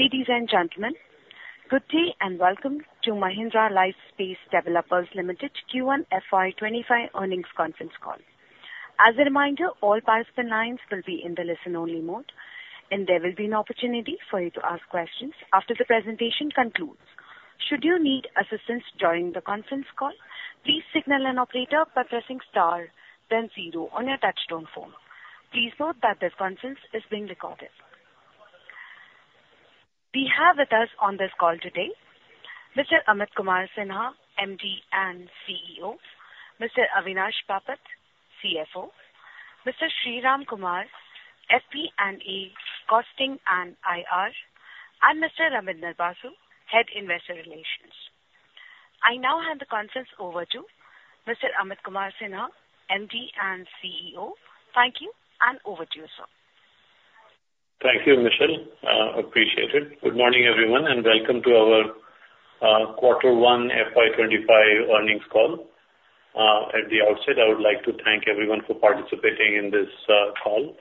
Ladies and gentlemen, good day, and welcome to Mahindra Lifespace Developers Limited Q1 FY 2025 Earnings Conference call. As a reminder, all participant lines will be in the listen-only mode, and there will be an opportunity for you to ask questions after the presentation concludes. Should you need assistance during the conference call, please signal an operator by pressing star then zero on your touchtone phone. Please note that this conference is being recorded. We have with us on this call today Mr. Amit Kumar Sinha, MD and CEO; Mr. Avinash Bapat, CFO; Mr. Sriram Kumar, FP&A, Costing, and IR; and Mr. Rabindra Basu, Head, Investor Relations. I now hand the conference over to Mr. Amit Kumar Sinha, MD and CEO. Thank you, and over to you, sir. Thank you, Michelle. Appreciate it. Good morning, everyone, and welcome to our quarter one FY 2025 earnings call. At the outset, I would like to thank everyone for participating in this call.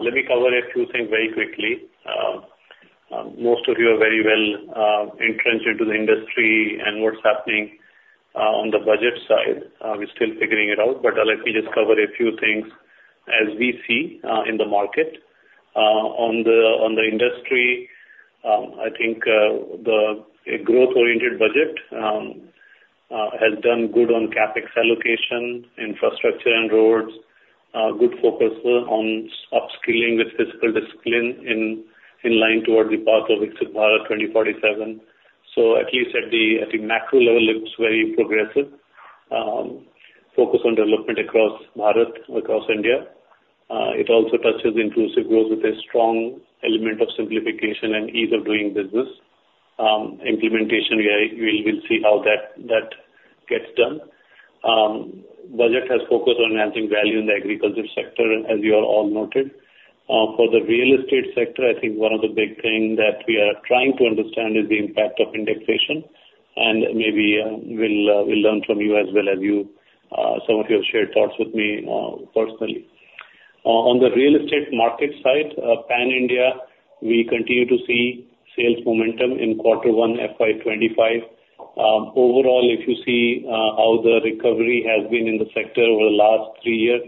Let me cover a few things very quickly. Most of you are very well entrenched into the industry and what's happening on the budget side. We're still figuring it out, but let me just cover a few things as we see in the market. On the industry, I think a growth-oriented budget has done good on CapEx allocation, infrastructure and roads, good focus on upscaling with fiscal discipline in line toward the path of India 2047. So at least at the macro level, it looks very progressive. Focus on development across Bharat, across India. It also touches inclusive growth with a strong element of simplification and ease of doing business. Implementation, we will see how that gets done. Budget has focused on enhancing value in the agriculture sector, as you have all noted. For the real estate sector, I think one of the big things that we are trying to understand is the impact of indexation, and maybe, we'll learn from you as well as you, some of you have shared thoughts with me, personally. On the real estate market side, pan-India, we continue to see sales momentum in quarter one, FY 2025. Overall, if you see how the recovery has been in the sector over the last three years,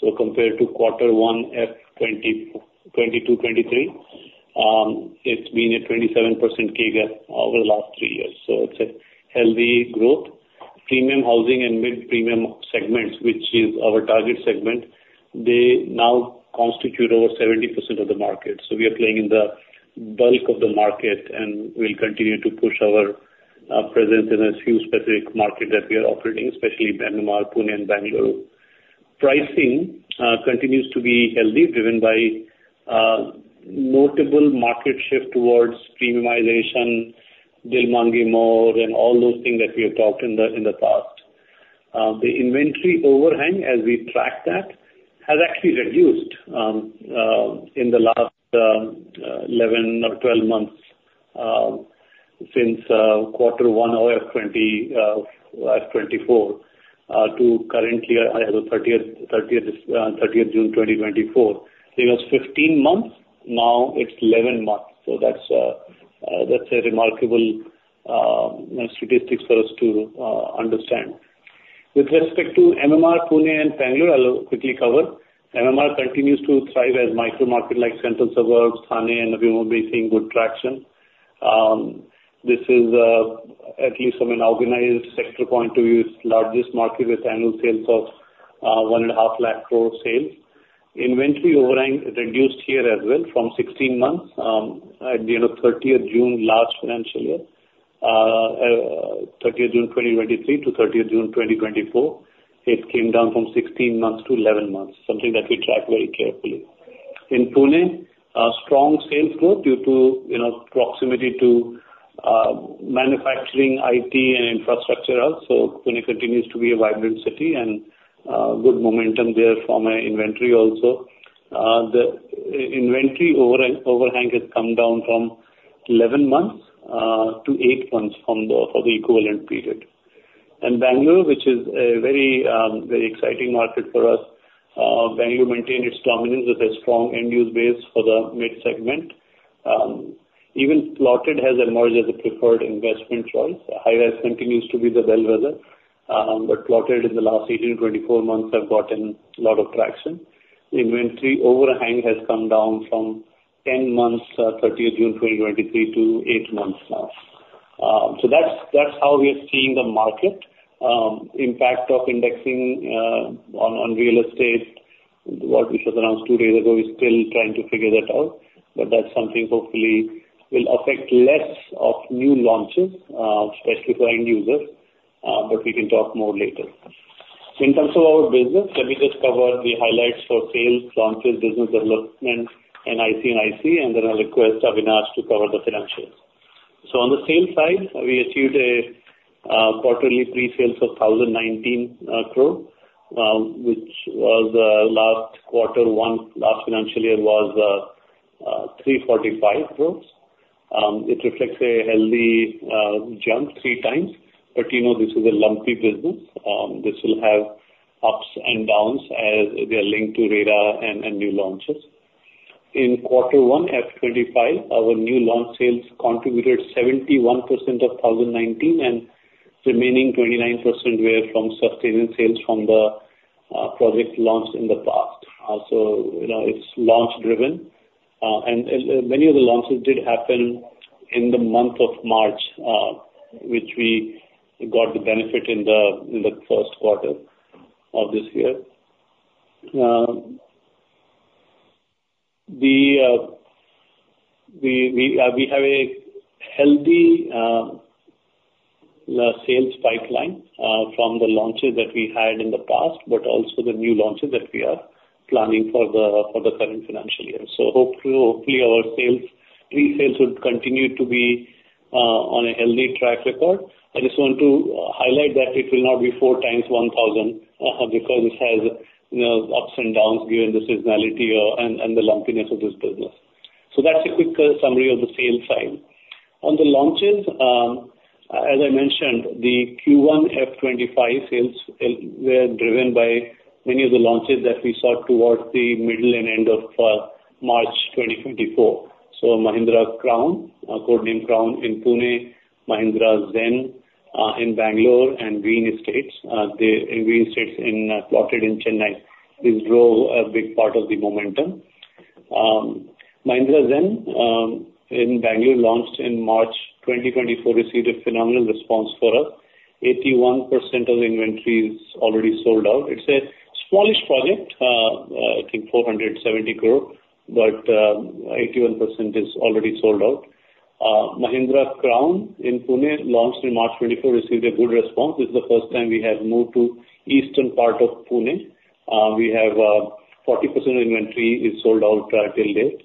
so compared to quarter one FY 2022-2023, it's been a 27% CAGR over the last three years, so it's a healthy growth. Premium housing and mid-premium segments, which is our target segment, they now constitute over 70% of the market, so we are playing in the bulk of the market, and we'll continue to push our presence in a few specific markets that we are operating, especially MMR, Pune and Bangalore. Pricing continues to be healthy, driven by notable market shift towards premiumization, Dil Maange More, and all those things that we have talked in the, in the past. The inventory overhang, as we track that, has actually reduced in the last 11 or 12 months since quarter one of FY 2024 to currently as of 30th June 2024. It was 15 months, now it's 11 months, so that's a remarkable statistics for us to understand. With respect to MMR, Pune and Bangalore, I'll quickly cover. MMR continues to thrive as micro market like Central Suburbs, Thane, and we will be seeing good traction. This is at least from an organized sector point of view, it's largest market with annual sales of 150,000 crore. Inventory overhang reduced here as well from 16 months at the end of 30th June last financial year. 30th June 2023 to 30th June 2024, it came down from 16 months to 11 months, something that we track very carefully. In Pune, a strong sales growth due to, you know, proximity to manufacturing, IT and infrastructure also. Pune continues to be a vibrant city, and good momentum there from an inventory also. The inventory overhang has come down from 11 months to eight months from the, for the equivalent period. Bangalore, which is a very, very exciting market for us, Bangalore maintained its dominance with a strong end-use base for the mid segment. Even plotted has emerged as a preferred investment choice. High-rise continues to be the bellwether, but plotted in the last 18-24 months have gotten a lot of traction. Inventory overhang has come down from 10 months, 30th June 2023, to eight months now. That's how we are seeing the market. Impact of indexing on real estate, what we should announce two days ago, we're still trying to figure that out, but that's something hopefully will affect less of new launches, especially for end users, but we can talk more later. In terms of our business, let me just cover the highlights for sales, launches, business development, and IC & IC, and then I'll request Avinash to cover the financials. On the sales side, we achieved a quarterly pre-sales of 1,019 crore, which was, last quarter one, last financial year was 345 crore. It reflects a healthy jump 3x, but you know, this is a lumpy business. This will have ups and downs as they are linked to RERA and new launches. In Q1 FY 2025, our new launch sales contributed 71% of 1,019, and remaining 29% were from sustained sales from the project launched in the past. Also, you know, it's launch driven, and many of the launches did happen in the month of March, which we got the benefit in the first quarter of this year. We have a healthy sales pipeline from the launches that we had in the past, but also the new launches that we are planning for the current financial year. So hopefully, hopefully, our sales, pre-sales will continue to be on a healthy track record. I just want to highlight that it will not be four times 1,000, because it has, you know, ups and downs given the seasonality, and the lumpiness of this business. So that's a quick summary of the sales side. On the launches, as I mentioned, the Q1 FY 2025 sales were driven by many of the launches that we saw towards the middle and end of March 2024. So Mahindra Codename Crown in Pune, Mahindra Zen in Bangalore, and Mahindra Green Estates, the plotted in Chennai, these drove a big part of the momentum. Mahindra Zen in Bangalore, launched in March 2024, received a phenomenal response for us. 81% of the inventory is already sold out. It's a smallish project, I think 470 crore, but 81% is already sold out. Mahindra Codename Crown in Pune, launched in March 2024, received a good response. This is the first time we have moved to eastern part of Pune. We have 40% inventory is sold out till date.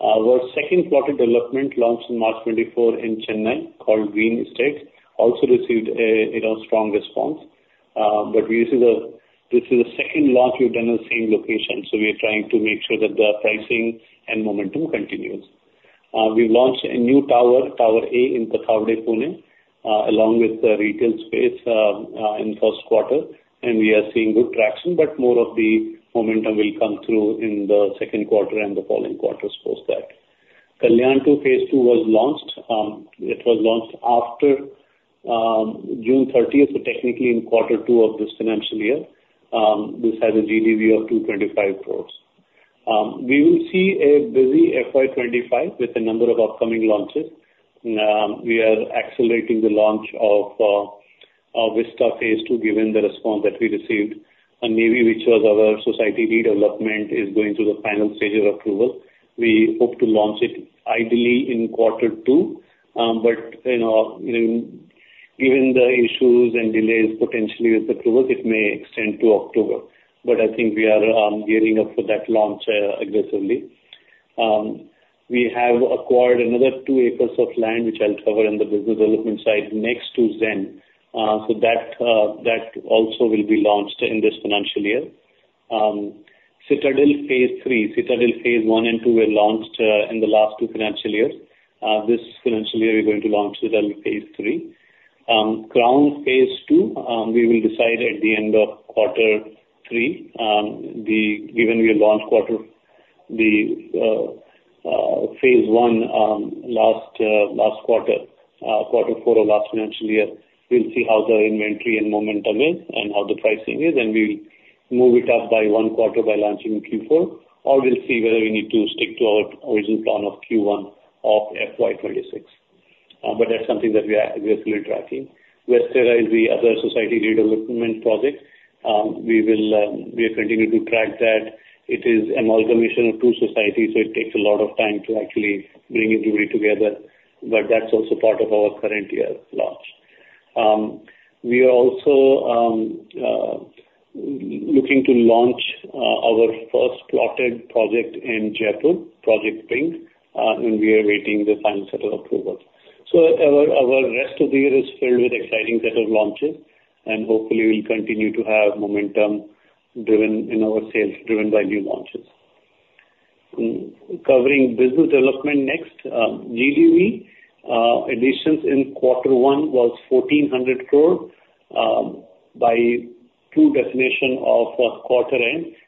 Our second quarter development launched in March 2024 in Chennai, called Mahindra Green Estates, also received a, you know, strong response. But we see this is the second launch we've done in the same location, so we are trying to make sure that the pricing and momentum continues. We've launched a new tower, Tower A, in Tathawade, Pune, along with the retail space, in first quarter, and we are seeing good traction, but more of the momentum will come through in the second quarter and the following quarters post that. Kalyan Tower phase II was launched. It was launched after June thirtieth, so technically in quarter two of this financial year. This has a GDV of 225 crore. We will see a busy FY 2025 with a number of upcoming launches. We are accelerating the launch of Vista phase II, given the response that we received, and Navy, which was our society redevelopment, is going through the final stage of approval. We hope to launch it ideally in quarter two, but, you know, given the issues and delays potentially with approvals, it may extend to October. But I think we are gearing up for that launch aggressively. We have acquired another two acres of land, which I'll cover in the business development side, next to Zen. So that, that also will be launched in this financial year. Citadel phase III. Citadel phase I and II were launched in the last two financial years. This financial year, we're going to launch Citadel phase III. Crown pase II, we will decide at the end of quarter three. Given we launched phase I last quarter, quarter four of last financial year, we'll see how the inventory and momentum is and how the pricing is, and we'll move it up by one quarter by launching in Q4, or we'll see whether we need to stick to our original plan of Q1 of FY 2026. But that's something that we are aggressively tracking. Westerra is the other society redevelopment project. We are continuing to track that. It is amalgamation of two societies, so it takes a lot of time to actually bring everybody together, but that's also part of our current year launch. We are also looking to launch our first plotted project in Jaipur, Project Pink, and we are awaiting the final set of approval. So our rest of the year is filled with exciting set of launches, and hopefully we'll continue to have momentum driven in our sales, driven by new launches. Covering business development next, GDV additions in quarter one was 1,400 crore by end of first quarter.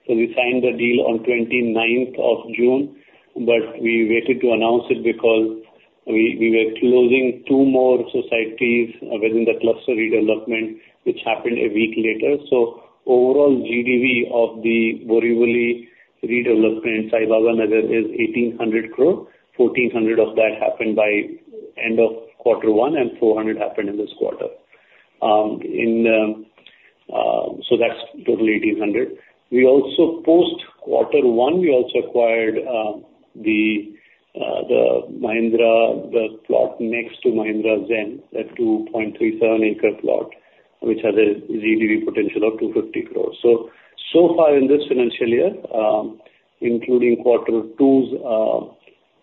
So we signed the deal on twenty-ninth of June, but we waited to announce it because we were closing two more societies within the cluster redevelopment, which happened a week later. So overall GDV of the Borivali redevelopment Sai Baba Nagar is 1,800 crore. 1,400 crore of that happened by end of quarter one, and 400 crore happened in this quarter. So that's total 1,800 crore. We also, post quarter one, we also acquired the plot next to Mahindra Zen, a 2.37-acre plot, which has a GDV potential of 250 crores. So, so far in this financial year, including quarter two's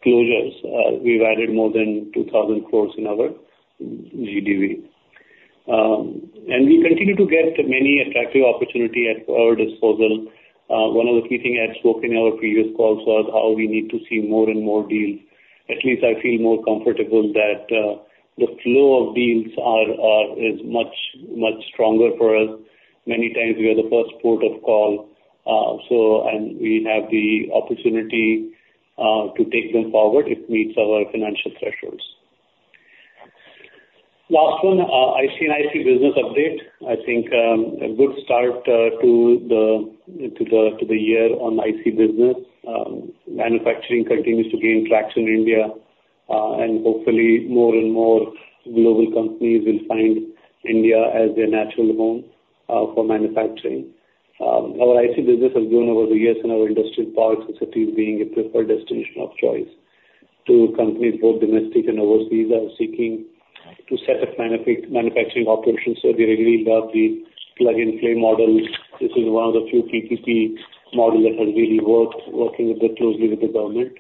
closures, we've added more than 2,000 crores in our GDV. And we continue to get many attractive opportunity at our disposal. One of the key thing I had spoke in our previous calls was how we need to see more and more deals. At least I feel more comfortable that the flow of deals are is much, much stronger for us. Many times we are the first port of call, so and we have the opportunity to take them forward if meets our financial thresholds. Last one, IC & IC business update. I think a good start to the year on IC business. Manufacturing continues to gain traction in India, and hopefully more and more global companies will find India as their natural home for manufacturing. Our IC business has grown over the years in our industrial parks, with it being a preferred destination of choice to companies, both domestic and overseas, that are seeking to set up manufacturing operations, so they really love the plug-and-play model. This is one of the few PPP model that has really worked, working closely with the government.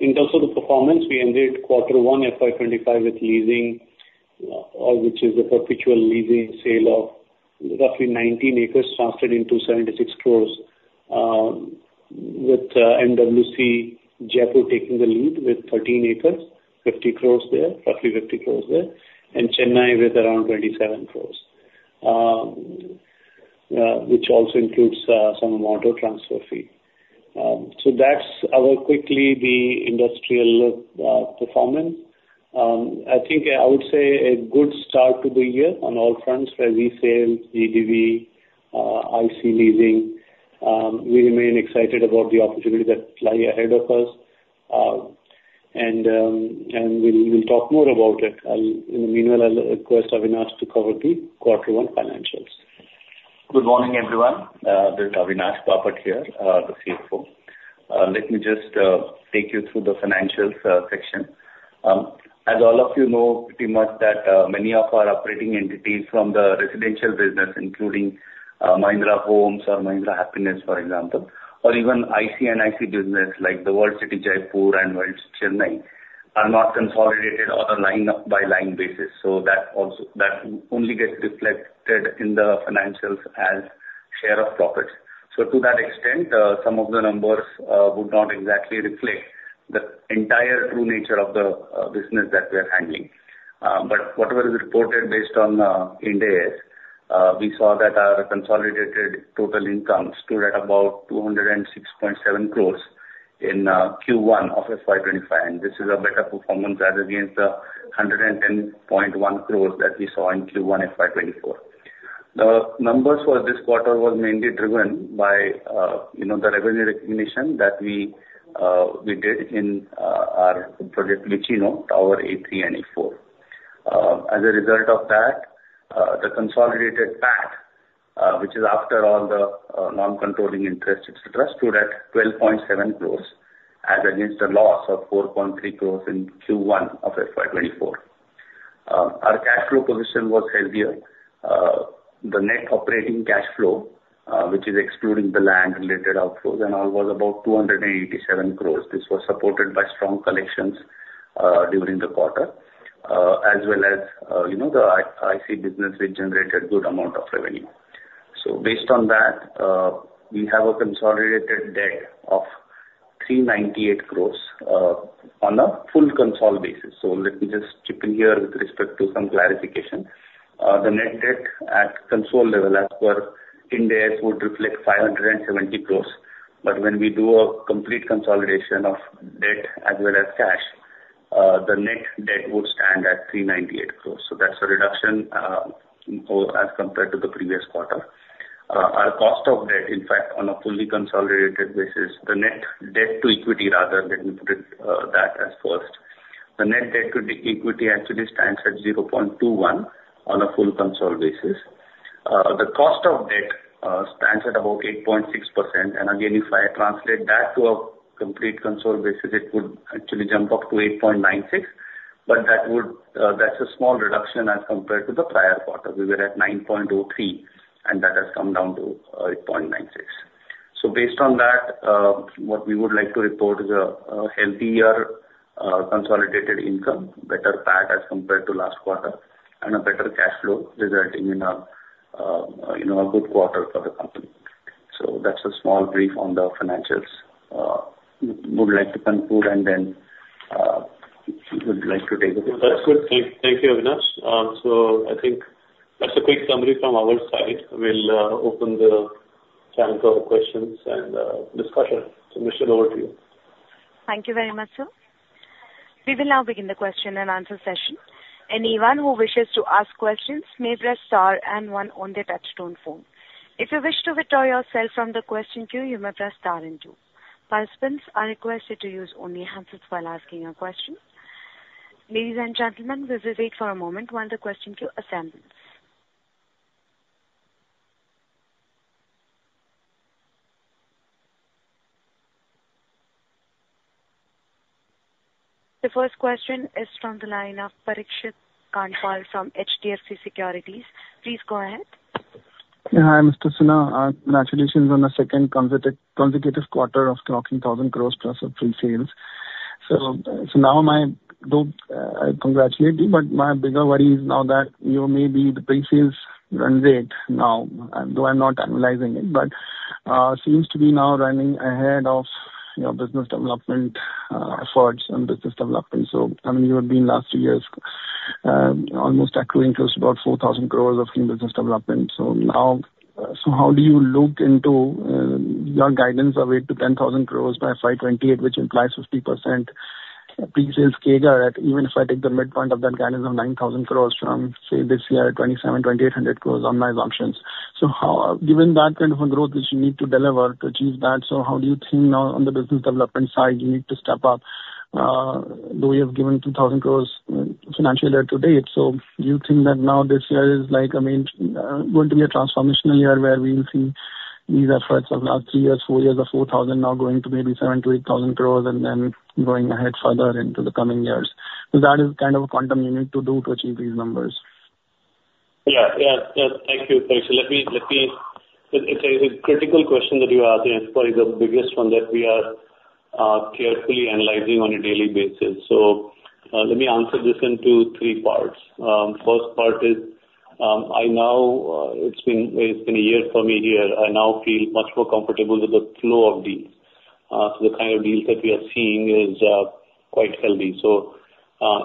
In terms of the performance, we ended quarter one FY 2025 with leasing, which is a perpetual leasing sale of roughly 19 acres translated into 76 crore. With MWC Jaipur taking the lead with 13 acres, 50 crores there, roughly 50 crores there, and Chennai with around 27 crores. Which also includes some amount of transfer fee. So that's our quickly the industrial performance. I think I would say a good start to the year on all fronts, whether we sale GDV, IC leasing. We remain excited about the opportunities that lie ahead of us, and, and we, we'll talk more about it. In the meanwhile, I'll request Avinash to cover the quarter one financials. Good morning, everyone. This is Avinash Bapat here, the CFO. Let me just take you through the financials section. As all of you know pretty much that many of our operating entities from the residential business, including Mahindra Homes or Mahindra Happinest, for example, or even IC & IC business like the World City, Jaipur and World City, Chennai, are not consolidated on a line by line basis, so that also. That only gets reflected in the financials as share of profits. So to that extent, some of the numbers would not exactly reflect the entire true nature of the business that we're handling. But whatever is reported based on Ind AS, we saw that our consolidated total income stood at about 206.7 crores in Q1 of FY 2025, and this is a better performance as against the 110.1 crores that we saw in Q1 FY 2024. The numbers for this quarter was mainly driven by, you know, the revenue recognition that we, we did in our project Vicino, Tower A3 and A4. As a result of that, the consolidated PAT, which is after all the non-controlling interest, et cetera, stood at 12.7 crores, as against a loss of 4.3 crores in Q1 of FY 2024. Our cash flow position was healthier. The net operating cash flow, which is excluding the land-related outflows and all, was about 287 crores. This was supported by strong collections during the quarter, as well as, you know, the IC business, which generated good amount of revenue. So based on that, we have a consolidated debt of 398 crores, on a full consolidated basis. So let me just chip in here with respect to some clarification. The net debt at consolidated level, as per Ind AS, would reflect 570 crores, but when we do a complete consolidation of debt as well as cash, the net debt would stand at 398 crores. So that's a reduction in both as compared to the previous quarter. Our cost of debt, in fact, on a fully consolidated basis, the net debt to equity rather, let me put it, that as first. The net debt to equity actually stands at 0.21 on a full consol basis. The cost of debt stands at about 8.6%, and again, if I translate that to a complete consol basis, it would actually jump up to 8.96%. But that would, that's a small reduction as compared to the prior quarter. We were at 9.03%, and that has come down to 8.96%. So based on that, what we would like to report is a healthier consolidated income, better PAT as compared to last quarter, and a better cash flow, resulting in, you know, a good quarter for the company. So that's a small brief on the financials. Would like to conclude, and then would like to take a look. That's good. Thank you, Avinash. So I think that's a quick summary from our side. We'll open the channel for questions and discussion. So, Michelle, over to you. Thank you very much, sir. We will now begin the question and answer session. Anyone who wishes to ask questions may press star and one on their touchtone phone. If you wish to withdraw yourself from the question queue, you may press star and two. Participants are requested to use only hands while asking a question. Ladies and gentlemen, we will wait for a moment while the question queue assembles. The first question is from the line of Parikshit Kandpal from HDFC Securities. Please go ahead. Hi, Mr. Sinha. Congratulations on the second consecutive quarter of clocking 1,000 crore plus of pre-sales. So now, though I congratulate you, but my bigger worry is now that you may be the pre-sales run rate now, though I'm not analyzing it, but seems to be now running ahead of your business development efforts and business development. So, I mean, you have been last two years almost accruing close to about 4,000 crore of new business development. So now, how do you look into your guidance of 8,000 crore-10,000 crore by FY 2028, which implies 50% pre-sales CAGR, even if I take the midpoint of that guidance of 9,000 crore from, say, this year, 2,700-2,800 crore on my assumptions. So how, given that kind of a growth which you need to deliver to achieve that, so how do you think now on the business development side, you need to step up, though you have given 2,000 crore in financial year to date. So do you think that now this year is like, I mean, going to be a transformational year where we will see these efforts of last three years, four years or 4,000 crore now going to maybe 7,000 crore-8,000 crore and then going ahead further into the coming years? So that is kind of a quantum you need to do to achieve these numbers. Yeah. Yeah, yeah. Thank you, Parikshit. It's a critical question that you are asking, and probably the biggest one that we are carefully analyzing on a daily basis. So, let me answer this into three parts. First part is, I now, it's been a year for me here. I now feel much more comfortable with the flow of deals. So the kind of deals that we are seeing is quite healthy. So,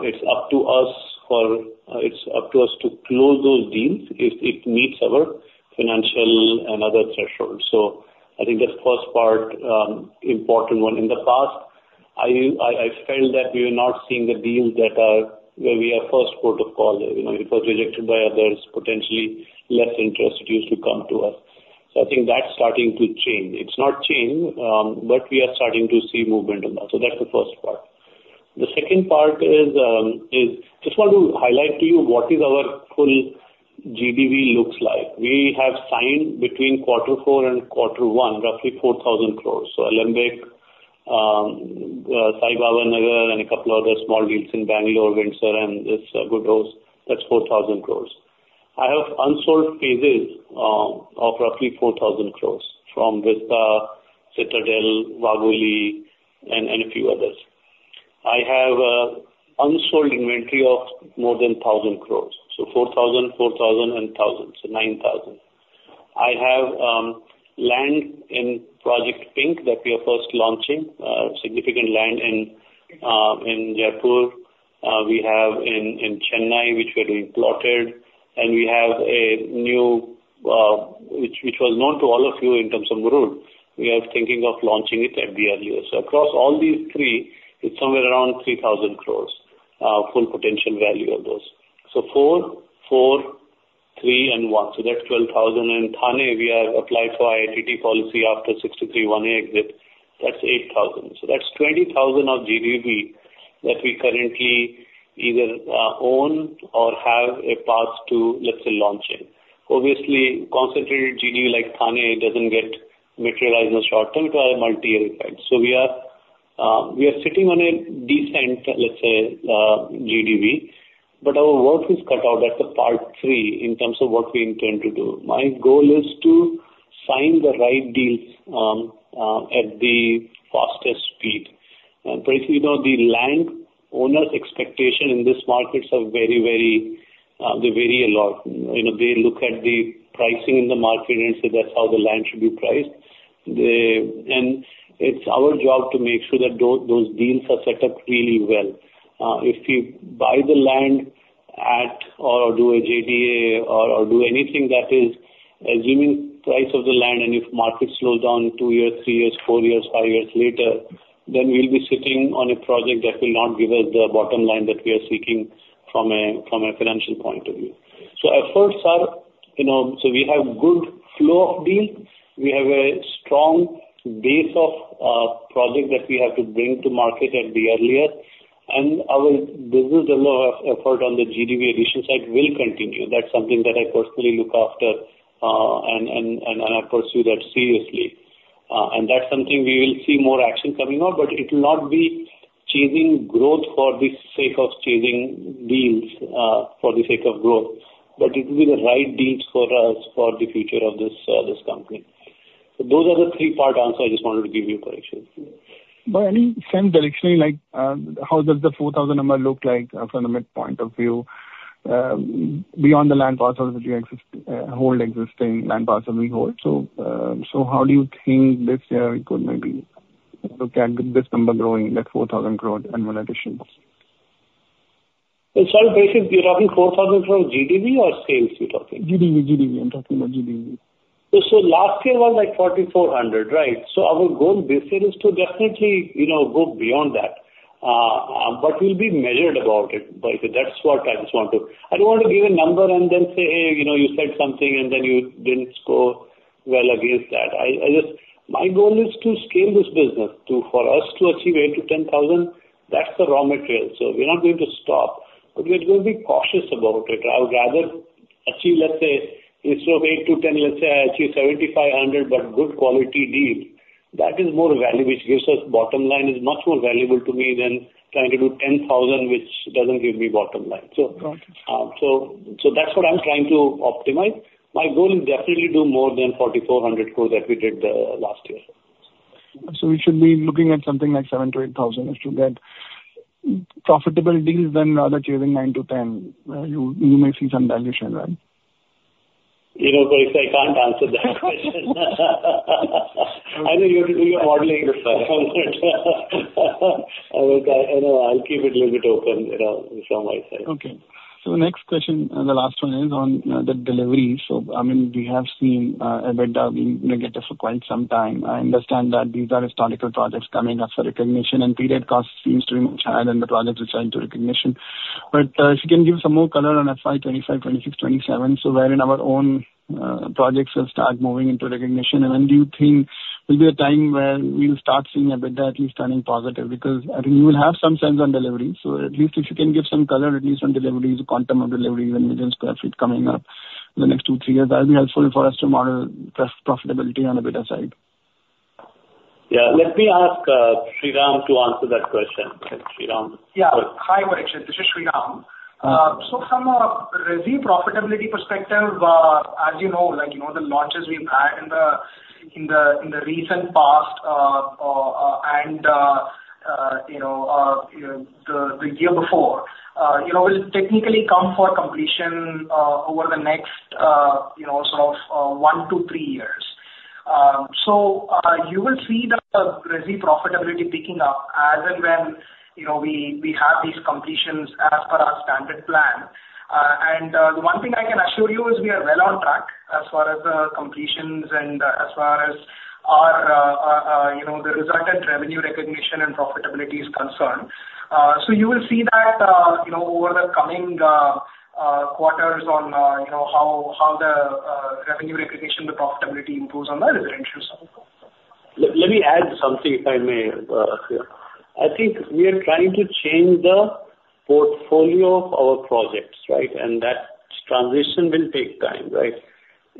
it's up to us to close those deals if it meets our financial and other thresholds. So I think that's first part, important one. In the past, I, I felt that we were not seeing the deals that are, where we are first port of call, you know, it was rejected by others, potentially less interested used to come to us. I think that's starting to change. It's not changed, you know, but we are starting to see movement on that. That's the first part. The second part is, I just want to highlight to you what our full GDV looks like. We have signed between quarter four and quarter one, roughly 4,000 crore. Alembic, Sai Baba Nagar, and a couple other small deals in Bangalore, Windsor, and it's Goodhouse, that's 4,000 crore. I have unsold phases of roughly 4,000 crore from Vista, Citadel, Wagholi, and a few others. I have unsold inventory of more than 1,000 crore. So 4,000 crore, 4,000 crore and 1,000 crore, so 9,000 crore. I have land in Project Pink that we are first launching, significant land in, in Jaipur. We have in, in Chennai, which we are replotted, and we have a new, which, which was known to all of you in terms of Murud, we are thinking of launching it at the earlier. So across all these three, it's somewhere around 3,000 crore, full potential value of those. So 4,000 crore, 4,000 crore, 3,000 crore and 1,000 crore, so that's 12,000 crore. In Thane, we have applied for IITT Policy after 63/1A exit, that's 8,000 crore. So that's 20,000 crore of GDV that we currently either own or have a path to, let's say, launching. Obviously, concentrated GDV like Thane, it doesn't get materialized in the short term because it's a multi-year effect. So we are, we are sitting on a decent, let's say, GDV, but our work is cut out. That's the part three in terms of what we intend to do. My goal is to sign the right deals, at the fastest speed. But you know, the land owners' expectation in these markets are very, very, they vary a lot. You know, they look at the pricing in the market and say that's how the land should be priced. And it's our job to make sure that those deals are set up really well. If you buy the land at or do a JDA or, or do anything that is assuming price of the land, and if market slows down two years, three years, four years, five years later, then we'll be sitting on a project that will not give us the bottom line that we are seeking from a financial point of view. So efforts are, you know, so we have good flow of deals. We have a strong base of project that we have to bring to market at the earlier. And our business development effort on the GDV addition side will continue. That's something that I personally look after, and I pursue that seriously. That's something we will see more action coming on, but it will not be chasing growth for the sake of chasing deals, for the sake of growth, but it will be the right deals for us, for the future of this, this company. So those are the three-part answer I just wanted to give you, Parikshit. Any same directionally, like, how does the 4,000 crores number look like from the mid point of view, beyond the land parcel that you exist, hold existing, land parcel we hold? So, how do you think this year it could maybe look at this number growing, that 4,000 crore and one addition? Sorry, Parikshit, you're talking 4,000 crore from GDV or sales, you're talking? GDV, GDV. I'm talking about GDV. Last year was like 4,400, crore right? Our goal this year is to definitely, you know, go beyond that. We'll be measured about it, but that's what I just want to. I don't want to give a number and then say, "Hey, you know, you said something, and then you didn't score well against that." I just—my goal is to scale this business. For us to achieve 8,000 crore-10,000 crore, that's the raw material. We're not going to stop, but we're going to be cautious about it. I would rather achieve, let's say, instead of 8,000 crore-10,000 crore, let's say, I achieve 7,500 crore, but good quality deals. That is more value, which gives us bottom line, is much more valuable to me than trying to do 10,000 crore, which doesn't give me bottom line. Got you. That's what I'm trying to optimize. My goal is definitely do more than 4,400 crore that we did last year. So we should be looking at something like 7,000 crore-8,000 crore to get profitable deals rather than chasing 9,000 crore-10,000 crore, you may see some dilution, right? You know, Parikshit, I can't answer that question. I know you're doing your modeling this way. I, I know, I'll keep it a little bit open, you know, from my side. Okay. So the next question, and the last one, is on the delivery. So I mean, we have seen EBITDA being negative for quite some time. I understand that these are historical projects coming up for recognition, and period costs seems to be much higher than the projects which are into recognition. But if you can give some more color on FY 2025, 2026, 2027, so where in our own projects will start moving into recognition. And when do you think will be a time where we will start seeing EBITDA at least turning positive? Because I think you will have some sales on delivery, so at least if you can give some color, at least on deliveries, quantum of deliveries and million sq ft coming up in the next two, three years, that will be helpful for us to model profitability on the EBITDA side. Yeah. Let me ask, Sriram to answer that question. Sriram? Yeah. Hi, Parikshit, this is Sriram. So from a resi profitability perspective, as you know, like, you know, the launches we've had in the recent past and, you know, you know, the year before, you know, will technically come for completion over the next, you know, sort of, one to three years. So, you will see the resi profitability picking up as and when, you know, we have these completions as per our standard plan. And, the one thing I can assure you is we are well on track as far as the completions and as far as our, you know, the resultant revenue recognition and profitability is concerned. So you will see that, you know, over the coming quarters on, you know, how the revenue recognition, the profitability improves on the residential side. Let me add something, if I may, here. I think we are trying to change the portfolio of our projects, right? And that transition will take time, right?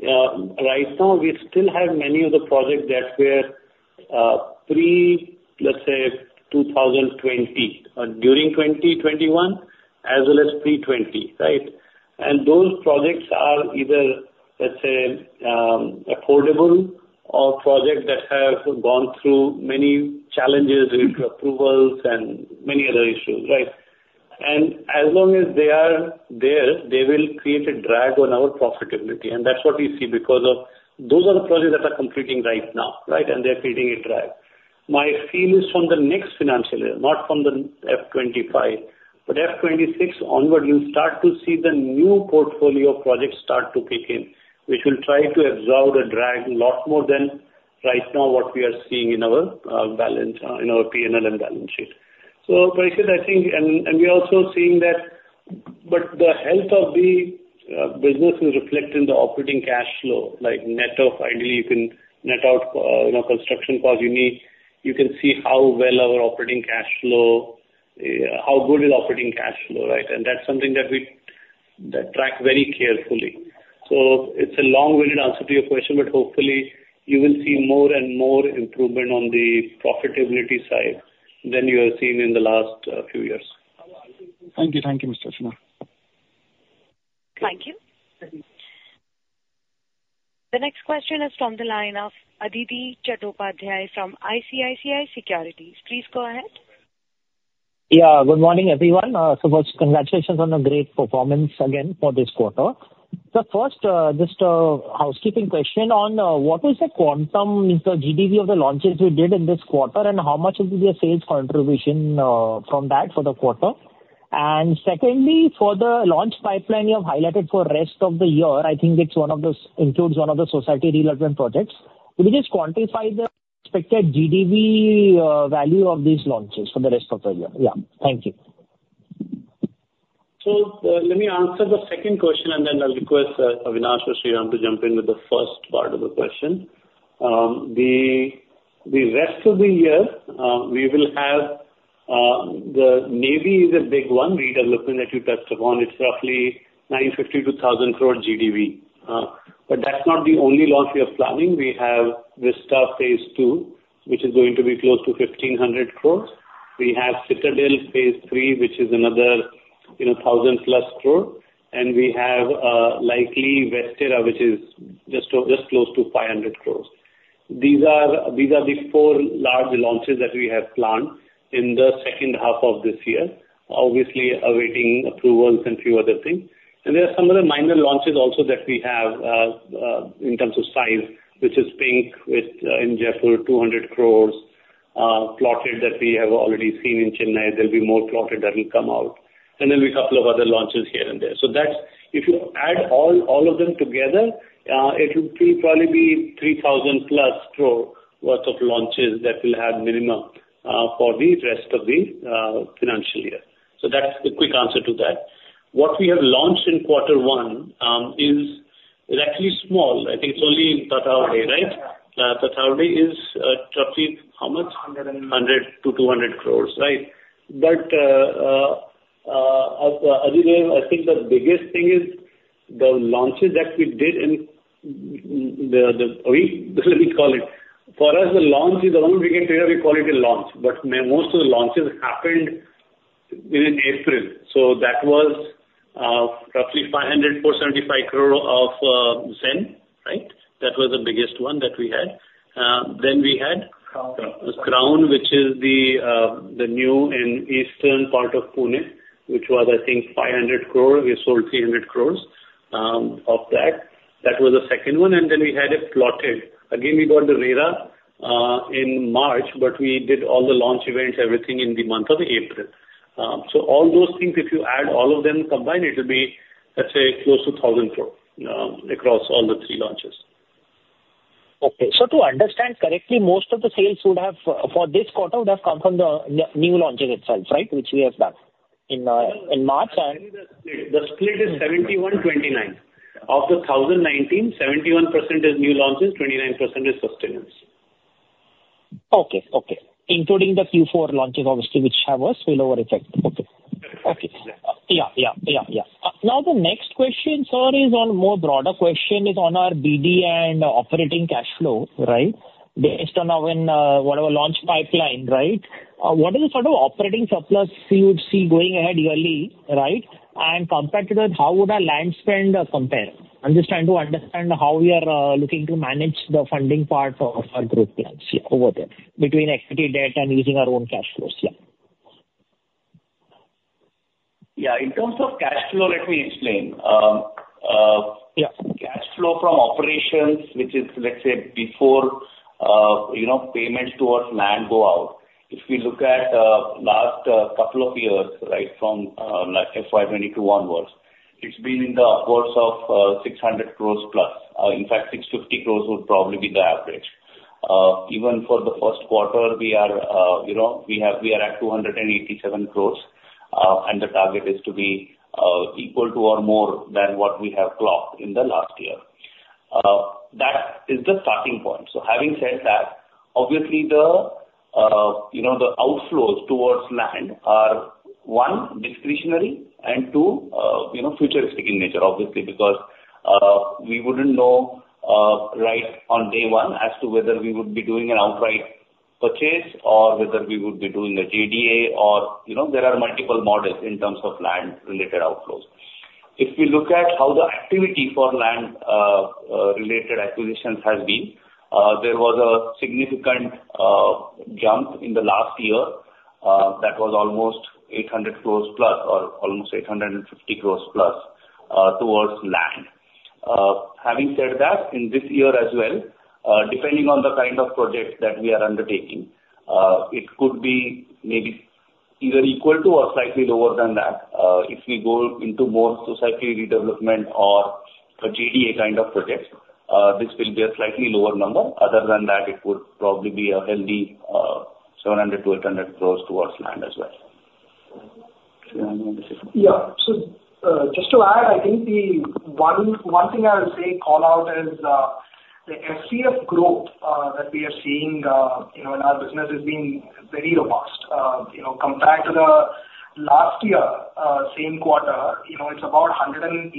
Right now, we still have many of the projects that were, pre, let's say, 2020, or during 2021, as well as pre-2020, right? And those projects are either, let's say, affordable or projects that have gone through many challenges with approvals and many other issues, right? And as long as they are there, they will create a drag on our profitability, and that's what we see because of those are the projects that are completing right now, right? And they're creating a drag. My feel is from the next financial year, not from the FY 2025, but FY 2026 onward, you'll start to see the new portfolio of projects start to kick in, which will try to absorb the drag a lot more than right now what we are seeing in our balance in our P&L and balance sheet. So Parikshit, I think, and we are also seeing that, but the health of the business is reflected in the operating cash flow, like net of, ideally you can net out, you know, construction costs you need. You can see how well our operating cash flow, how good is operating cash flow, right? And that's something that we track very carefully. So it's a long-winded answer to your question, but hopefully you will see more and more improvement on the profitability side than you have seen in the last few years. Thank you. Thank you, Mr. Sinha. Thank you. The next question is from the line of Adhidev Chattopadhyay from ICICI Securities. Please go ahead. Yeah, good morning, everyone. So first, congratulations on a great performance again for this quarter. So first, just a housekeeping question on, what is the quantum, the GDV of the launches you did in this quarter, and how much will be the sales contribution, from that for the quarter? And secondly, for the launch pipeline you have highlighted for rest of the year, I think it includes one of the society redevelopment projects. Will you just quantify the expected GDV value of these launches for the rest of the year? Yeah. Thank you. So, let me answer the second question, and then I'll request, Avinash or Sriram to jump in with the first part of the question. The rest of the year, we will have, the Navy is a big one, redevelopment that you touched upon. It's roughly 950 crore-1,000 crore GDV. But that's not the only launch we are planning. We have Vista phase II, which is going to be close to 1,500 crore. We have Citadel phase III, which is another, you know, 1,000+ crore. And we have, likely Westerra, which is just close to 500 crore. These are, these are the four large launches that we have planned in the second half of this year. Obviously, awaiting approvals and a few other things. There are some other minor launches also that we have, in terms of size, which is Pink, with, in Jaipur, 200 crore, Plotted, that we have already seen in Chennai. There'll be more Plotted that will come out, and there'll be a couple of other launches here and there. So that's, if you add all, all of them together, it will probably be 3,000+ crore worth of launches that will have minimum, for the rest of the, financial year. So that's the quick answer to that. What we have launched in quarter one, is, is actually small. I think it's only Tathawade, right? Tathawade is, roughly how much? Hundred and. 100 crore-200 crore, right? Adhidev, I think the biggest thing is the launches that we did in, let me call it. For us, the launch is the only way we call it a launch, but most of the launches happened in April. So that was roughly 500.75 crore of Zen, right? That was the biggest one that we had. Then we had. Crown, which is the new and eastern part of Pune, which was, I think, 500 crore. We sold 300 crore of that. That was the second one, and then we had it plotted. Again, we got the RERA in March, but we did all the launch events, everything in the month of April. So all those things, if you add all of them combined, it will be, let's say, close to 1,000 crore across all the three launches. Okay. So to understand correctly, most of the sales would have, for this quarter, would have come from the new launches itself, right? Which we have done in March and- The split is 71/29. Of the 1,019, 71% is new launches, 29% is sustenance. Okay, okay. Including the Q4 launches, obviously, which have a spillover effect. Okay. Exactly. Okay. Yeah, yeah, yeah, yeah. Now, the next question, sir, is on more broader question is on our BD and operating cash flow, right? Based on our, when, whatever launch pipeline, right? What is the sort of operating surplus you would see going ahead yearly, right? And compared to that, how would our land spend compare? I'm just trying to understand how we are looking to manage the funding part of our group plans over there, between equity debt and using our own cash flows. Yeah. Yeah, in terms of cash flow, let me explain. Yeah. Cash flow from operations, which is, let's say, before, you know, payments towards land go out. If we look at last couple of years, right, from like FY 2022 onwards, it's been in the upwards of 600 crores plus. In fact, 650 crores would probably be the average. Even for the first quarter, we are, you know, we are at 287 crores, and the target is to be equal to or more than what we have clocked in the last year. That is the starting point. So having said that, obviously the, you know, the outflows towards land are, one, discretionary, and two, you know, futuristic in nature, obviously, because, we wouldn't know, right on day one as to whether we would be doing an outright purchase or whether we would be doing a JDA or, you know, there are multiple models in terms of land-related outflows. If we look at how the activity for land, related acquisitions has been, there was a significant, jump in the last year, that was almost 800 crores plus, or almost 850 crores plus, towards land. Having said that, in this year as well, depending on the kind of projects that we are undertaking, it could be maybe either equal to or slightly lower than that. If we go into more society redevelopment or a JDA kind of project, this will be a slightly lower number. Other than that, it would probably be a healthy 700 crore-1,200 crores towards land as well. Yeah. So, just to add, I think the one thing I would say call out is, the FCF growth that we are seeing, you know, in our business is being very robust. You know, compared to the last year same quarter, you know, it's about 118%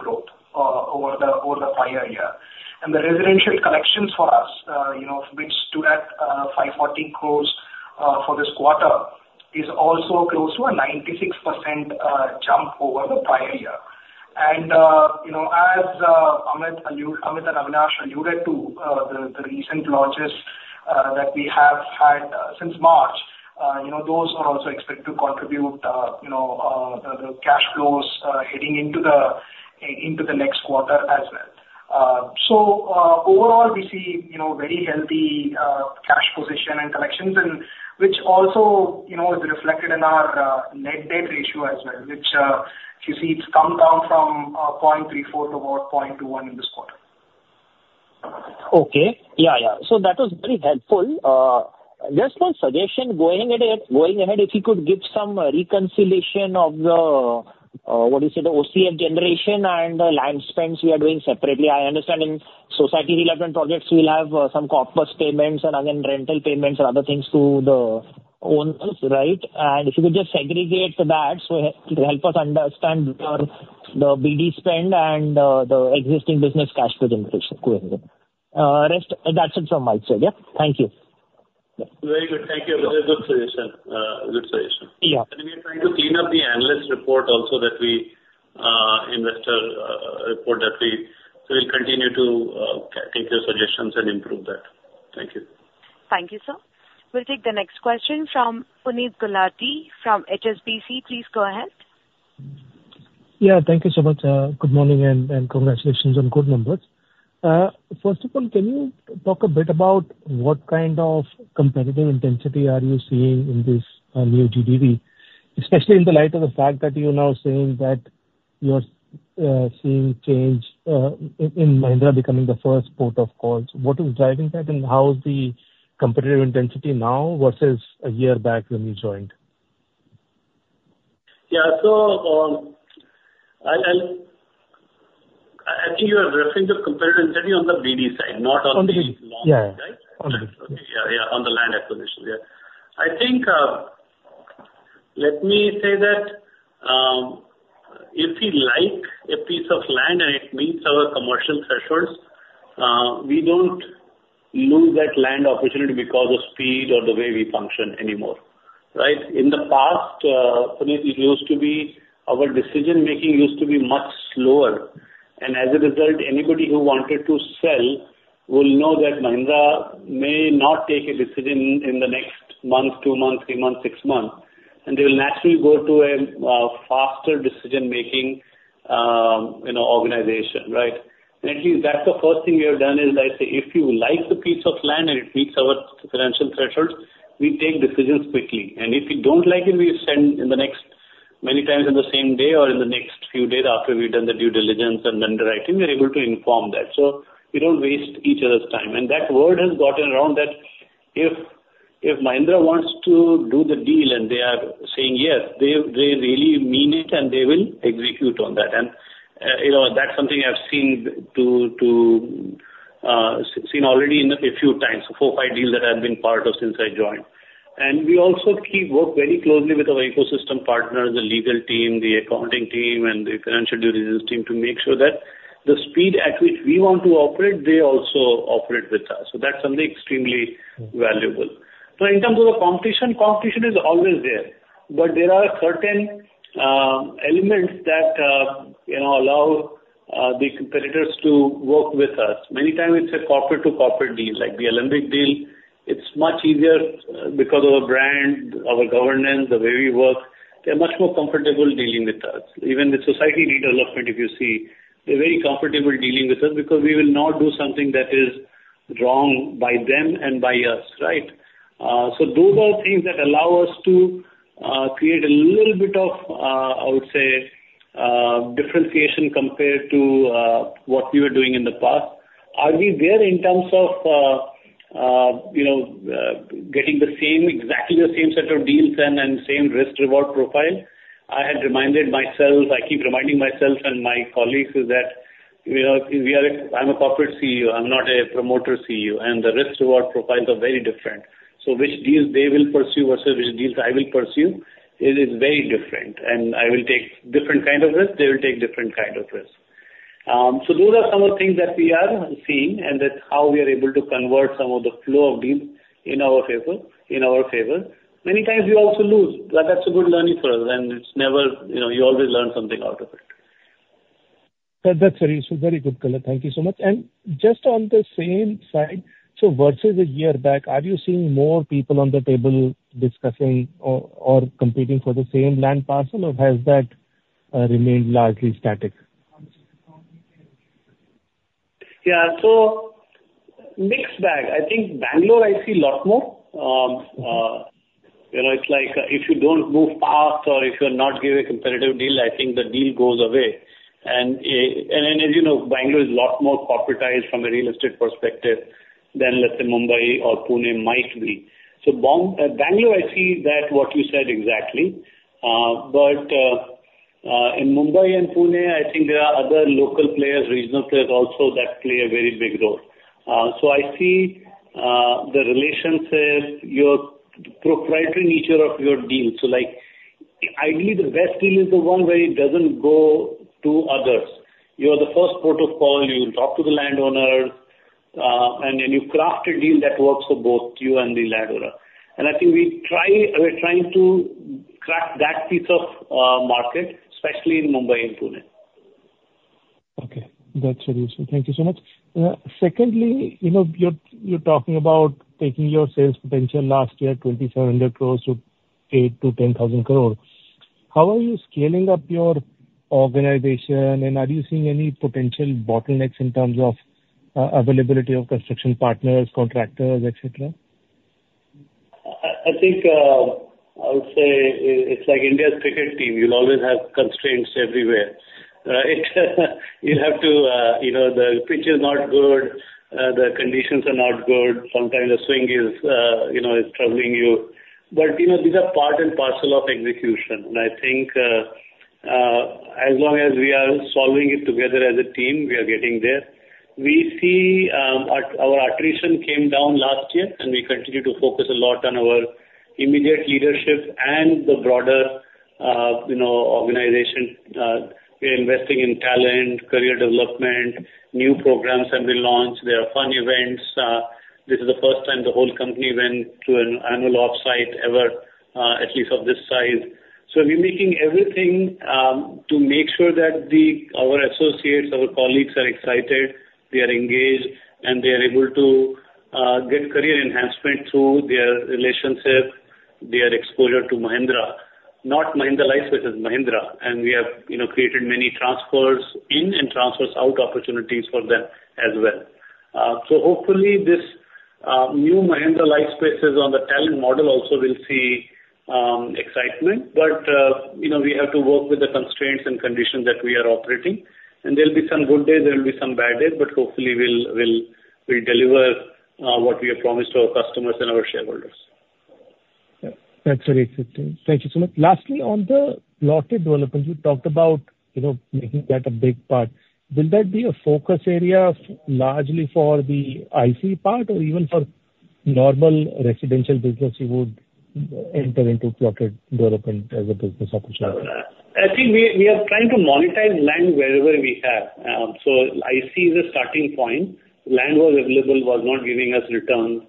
growth over the prior year. And the residential collections for us, you know, which stood at 540 crore for this quarter, is also close to a 96% jump over the prior year. And, you know, as Amit and Avinash alluded to, the recent launches that we have had since March, you know, those are also expected to contribute, you know, the cash flows heading into the into the next quarter as well. So, overall, we see, you know, very healthy cash position and collections, which also, you know, is reflected in our net debt ratio as well, which, if you see, it's come down from 0.34 to about 0.21 in this quarter. Okay. Yeah, yeah. So that was very helpful. Just one suggestion, going ahead, going ahead, if you could give some reconciliation of the, what do you say, the OCF generation and the land spends we are doing separately. I understand in society relevant projects, we'll have some corpus payments and again, rental payments and other things to the owners, right? And if you could just segregate that, so help us understand the, the BD spend and the existing business cash flow generation going forward. That's it from my side. Yeah. Thank you. Very good. Thank you. Very good suggestion, good suggestion. Yeah. We are trying to clean up the analyst report also, the investor report that we, we'll continue to take your suggestions and improve that. Thank you. Thank you, sir. We'll take the next question from Puneet Gulati from HSBC. Please go ahead. Yeah, thank you so much. Good morning, and congratulations on good numbers. First of all, can you talk a bit about what kind of competitive intensity are you seeing in this new GDV? Especially in the light of the fact that you're now saying that you are seeing change in Mahindra becoming the first port of call. What is driving that, and how is the competitive intensity now versus a year back when you joined? Yeah. So, I I think you are referring to competitive study on the BD side, not on the land acquisition, yeah. I think, let me say that, if we like a piece of land, and it meets our commercial thresholds, we don't lose that land opportunity because of speed or the way we function anymore, right? In the past, Puneet, it used to be, our decision-making used to be much slower, and as a result, anybody who wanted to sell will know that Mahindra may not take a decision in the next month, two months, three months, six months, and they will naturally go to a faster decision-making, you know, organization, right? And at least that's the first thing we have done is I say, if you like the piece of land, and it meets our financial thresholds, we take decisions quickly. And if we don't like it, we send in the next, many times in the same day or in the next few days after we've done the due diligence and then the writing, we're able to inform that. So we don't waste each other's time. And that word has gotten around that if Mahindra wants to do the deal, and they are saying, yes, they really mean it, and they will execute on that. And you know, that's something I've seen already in a few times, four, five deals that I've been part of since I joined. And we also keep work very closely with our ecosystem partners, the legal team, the accounting team, and the financial due diligence team to make sure that the speed at which we want to operate, they also operate with us. So that's something extremely valuable. So in terms of the competition, competition is always there. But there are certain elements that, you know, allow the competitors to work with us. Many time it's a corporate to corporate deal, like the Olympic deal. It's much easier because of our brand, our governance, the way we work. They're much more comfortable dealing with us. Even the society redevelopment, if you see, they're very comfortable dealing with us because we will not do something that is wrong by them and by us, right? So those are things that allow us to create a little bit of, I would say, differentiation compared to what we were doing in the past. Are we there in terms of, you know, getting the same, exactly the same set of deals and same risk-reward profile? I had reminded myself, I keep reminding myself and my colleagues, is that, you know, we are a, I'm a corporate CEO, I'm not a promoter CEO, and the risk-reward profiles are very different. So which deals they will pursue versus which deals I will pursue, it is very different. And I will take different kind of risk, they will take different kind of risk. So those are some of the things that we are seeing, and that's how we are able to convert some of the flow of deals in our favor, in our favor. Many times you also lose, but that's a good learning for us, and it's never, you know, you always learn something out of it. That's very, very good. Thank you so much. And just on the same side, so versus a year back, are you seeing more people on the table discussing or competing for the same land parcel, or has that remained largely static? Yeah. So mixed bag. I think Bangalore, I see a lot more. You know, it's like, if you don't move fast or if you're not giving a competitive deal, I think the deal goes away. And as you know, Bangalore is a lot more corporatized from a real estate perspective than, let's say, Mumbai or Pune might be. So Bangalore, I see that what you said exactly. But in Mumbai and Pune, I think there are other local players, regional players also that play a very big role. So I see the relationships, your proprietary nature of your deal. So, like, ideally, the best deal is the one where it doesn't go to others. You are the first port of call. You talk to the landowner, and then you craft a deal that works for both you and the landowner. And I think we try, we're trying to crack that piece of market, especially in Mumbai and Pune. Okay. That's the reason. Thank you so much. Secondly, you know, you're, you're talking about taking your sales potential last year, 2,700 crore-8,000 crore-INR 10,000 crore. How are you scaling up your organization, and are you seeing any potential bottlenecks in terms of availability of construction partners, contractors, et cetera? I think, it's like India's cricket team. You'll always have constraints everywhere, right? You have to, you know, the pitch is not good, the conditions are not good. Sometimes the swing is, you know, troubling you. But, you know, these are part and parcel of execution. And I think, as long as we are solving it together as a team, we are getting there. We see, our attrition came down last year, and we continue to focus a lot on our immediate leadership and the broader, you know, organization. We are investing in talent, career development, new programs have been launched. There are fun events. This is the first time the whole company went to an annual offsite ever, at least of this size. So we're making everything to make sure that the our associates, our colleagues are excited, they are engaged, and they are able to get career enhancement through their relationships, their exposure to Mahindra. Not Mahindra Lifespace, Mahindra, and we have, you know, created many transfers in and transfers out opportunities for them as well. So hopefully this new Mahindra Lifespace on the talent model also will see excitement. But you know, we have to work with the constraints and conditions that we are operating. And there'll be some good days, there will be some bad days, but hopefully we'll, we'll, we'll deliver what we have promised to our customers and our shareholders. That's very interesting. Thank you so much. Lastly, on the plotted development, you talked about, you know, making that a big part. Will that be a focus area, largely for the IC part, or even for normal residential business you would enter into plotted development as a business opportunity? I think we, we are trying to monetize land wherever we have. So IC is a starting point. Land was available, was not giving us returns,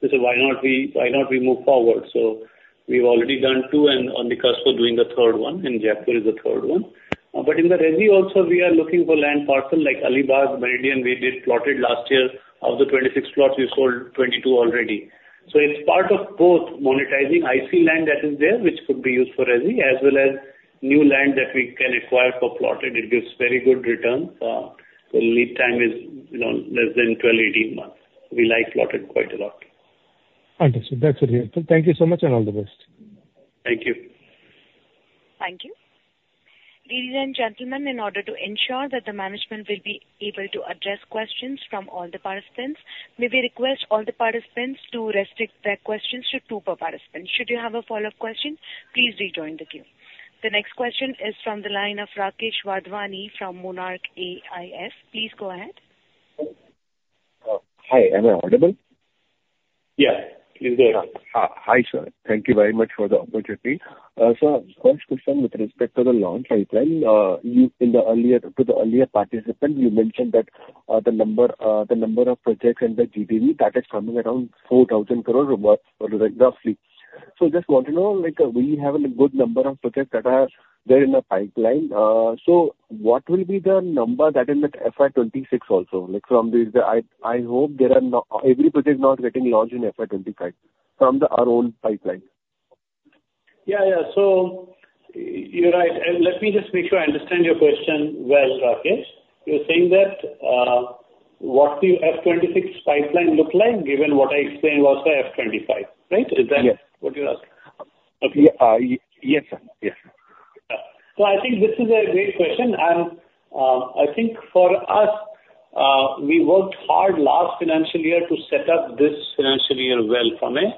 so we said why not we, why not we move forward? So we've already done two and on the cusp of doing the third one, in Jaipur is the third one. But in the resi also, we are looking for land parcel, like Alibag Meridian, we did plotted last year. Of the 26 plots, we sold 22 already. So it's part of both monetizing IC land that is there, which could be used for resi, as well as new land that we can acquire for plotted. It gives very good return. The lead time is, you know, less than 12months-18 months. We like plotted quite a lot. Understood. That's very helpful. Thank you so much, and all the best. Thank you. Thank you. Ladies and gentlemen, in order to ensure that the management will be able to address questions from all the participants, may we request all the participants to restrict their questions to two per participant. Should you have a follow-up question, please rejoin the queue. The next question is from the line of Rakesh Wadhwani from Monarch AIF. Please go ahead. Hi, am I audible? Yeah, please go ahead. Hi, sir. Thank you very much for the opportunity. So first question with respect to the launch pipeline. You in the earlier, to the earlier participant, you mentioned that, the number, the number of projects and the GDV that is coming around 4,000 crore roughly. So just want to know, like, we have a good number of projects that are there in the pipeline. So what will be the number that in the FY 2026 also? Like, from the I, I hope there are every project not getting launched in FY 2025 from the, our own pipeline. Yeah, yeah. So you're right. Let me just make sure I understand your question well, Rakesh. You're saying that what the FY 2026 pipeline look like, given what I explained was the FY 2025, right? Yes. Is that what you're asking? Okay. Yes, sir. Yes. So I think this is a great question, and I think for us, we worked hard last financial year to set up this financial year well from a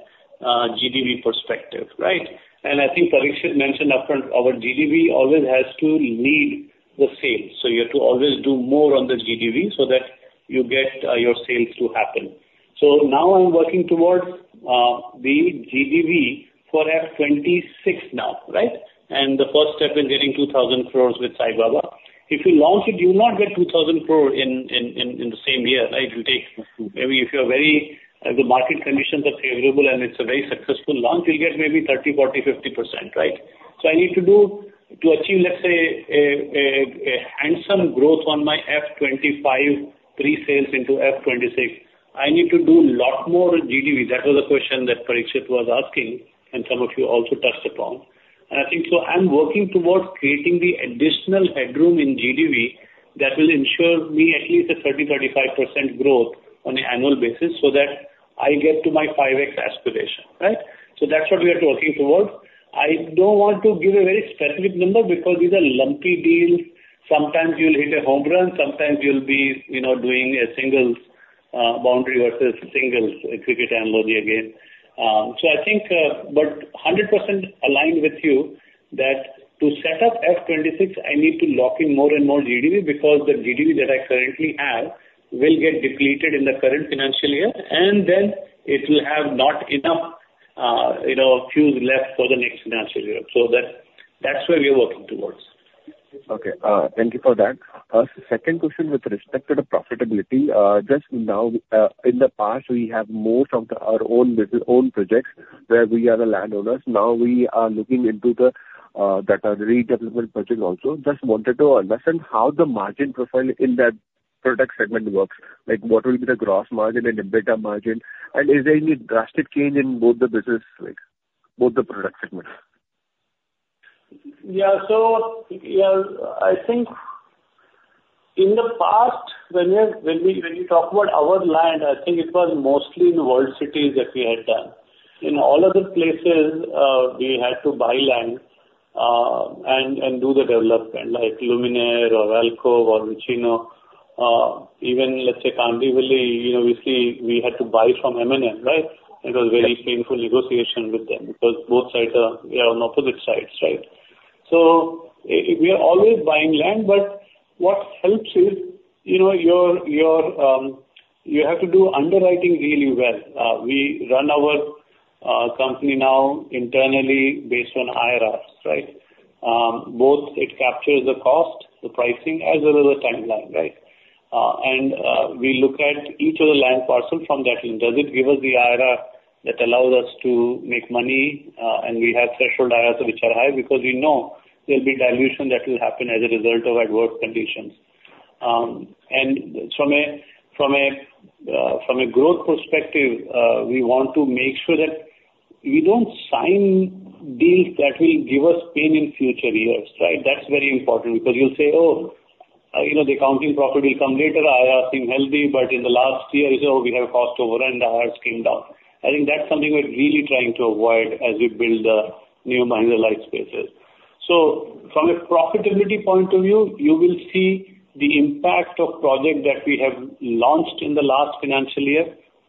GDV perspective, right? And I think Parikshit mentioned upfront, our GDV always has to lead the sales. So you have to always do more on the GDV so that you get your sales to happen. So now I'm working towards the GDV for FY 2026 now, right? And the first step is getting 2,000 crore with Sai Baba. If you launch it, you will not get 2,000 crore in the same year, right? It will take, maybe if you're very, the market conditions are favorable and it's a very successful launch, you'll get maybe 30%, 40%, 50%, right? So I need to do, to achieve, let's say, a handsome growth on my FY 2025 pre-sales into FY 2026, I need to do a lot more GDV. That was the question that Parikshit was asking, and some of you also touched upon. And I think so I'm working towards creating the additional headroom in GDV that will ensure me at least a 30%-35% growth on an annual basis, so that I get to my 5x aspiration, right? So that's what we are working towards. I don't want to give a very specific number, because these are lumpy deals. Sometimes you'll hit a home run, sometimes you'll be, you know, doing a singles, boundary versus singles in cricket analogy again. So I think, but 100% aligned with you that to set up FY 2026, I need to lock in more and more GDV, because the GDV that I currently have will get depleted in the current financial year, and then it will have not enough, you know, fuel left for the next financial year. So that, that's where we are working towards. Okay, thank you for that. Second question with respect to the profitability. Just now, in the past, we have most of the, our own projects, where we are the landowners. Now we are looking into the, that are redevelopment project also. Just wanted to understand how the margin profile in that product segment works. Like, what will be the gross margin and EBITDA margin, and is there any drastic change in both the business, like, both the product segments? Yeah. So, yeah, I think in the past, when we talk about our land, I think it was mostly in the World Cities that we had done. In all other places, we had to buy land, and do the development, like Luminare or Alcove or Vicino. Even let's say, Kandivali, you know, obviously, we had to buy from M&M, right? Yes. It was very painful negotiation with them because both sides are, we are on opposite sides, right? So we are always buying land, but what helps is, you know, your, your, you have to do underwriting really well. We run our company now internally based on IRRs, right? Both it captures the cost, the pricing, as well as the timeline, right? And we look at each of the land parcel from that lens. Does it give us the IRR that allows us to make money? And we have threshold IRRs which are high because we know there'll be dilution that will happen as a result of adverse conditions. And from a growth perspective, we want to make sure that we don't sign deals that will give us pain in future years, right? That's very important, because you'll say, "Oh, you know, the accounting profit will come later. IRR seem healthy, but in the last three years, we have cost overrun, the IRRs came down." I think that's something we're really trying to avoid as we build the new Mahindra Lifespaces. So from a profitability point of view, you will see the impact of project that we have launched in the last financial year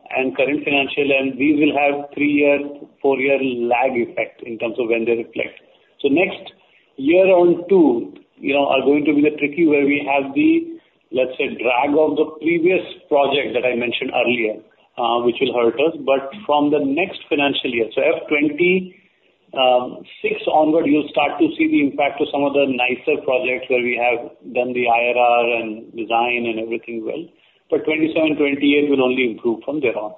and current financial year, and these will have three-year, four-year lag effect in terms of when they reflect. So next year, 2025, 2026, you know, are going to be the tricky, where we have the, let's say, drag of the previous project that I mentioned earlier, which will hurt us, but from the next financial year, so FY 2026 onward, you'll start to see the impact of some of the nicer projects where we have done the IRR and design and everything well. But 2027, 2028 will only improve from there on.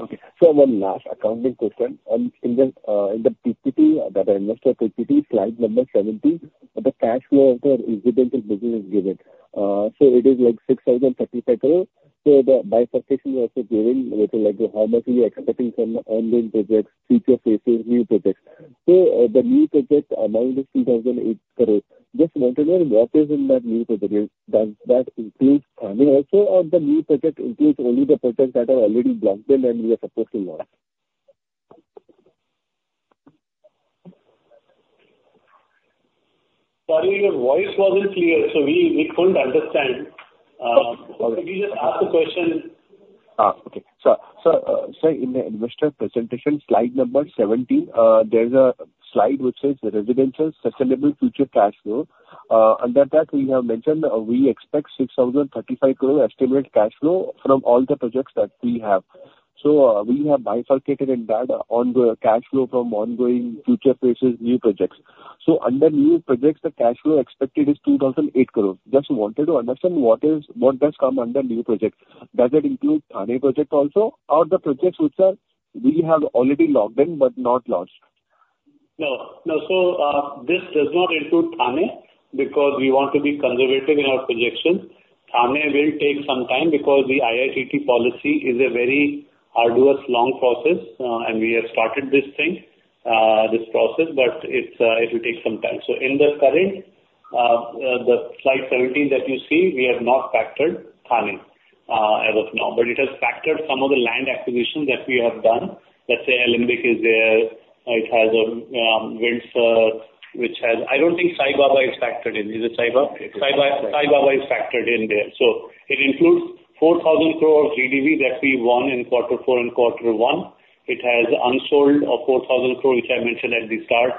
Okay. One last accounting question. In the PPT, the investor PPT, slide number 17, the cash flow of the residential business is given. It is like 6,035 crore. The bifurcation is also given, so like how much are we expecting from ongoing projects, future phases, new projects. The new project amount is 2,008 crore. Just wanted to know what is in that new project? Does that include Thane also, or the new project includes only the projects that are already blocked in and we are supposed to launch? Sorry, your voice wasn't clear, so we couldn't understand. Okay. Could you just ask the question? Ah, okay. So, so, in the investor presentation, slide number 17, there's a slide which says Residential Sustainable Future Cash Flow. Under that, we have mentioned, we expect 6,035 crore estimated cash flow from all the projects that we have. So, we have bifurcated in that ongoing cash flow from ongoing future phases, new projects. So under new projects, the cash flow expected is 2,008 crore. Just wanted to understand what is, what does come under new projects. Does it include Thane project also, or the projects which are, we have already locked in but not launched? No, no. So, this does not include Thane, because we want to be conservative in our projections. Thane will take some time because the IITT Policy is a very arduous, long process, and we have started this thing, this process, but it's, it will take some time. So in the current, the slide 17 that you see, we have not factored Thane, as of now, but it has factored some of the land acquisition that we have done. Let's say Alembic is there. It has a, Windsor, which has, I don't think Sai Baba is factored in. Is it Sai Baba? It is. Sai Baba, Sai Baba is factored in there. So it includes 4,000 crore of GDV that we won in quarter four and quarter one. It has unsold of 4,000 crore, which I mentioned at the start.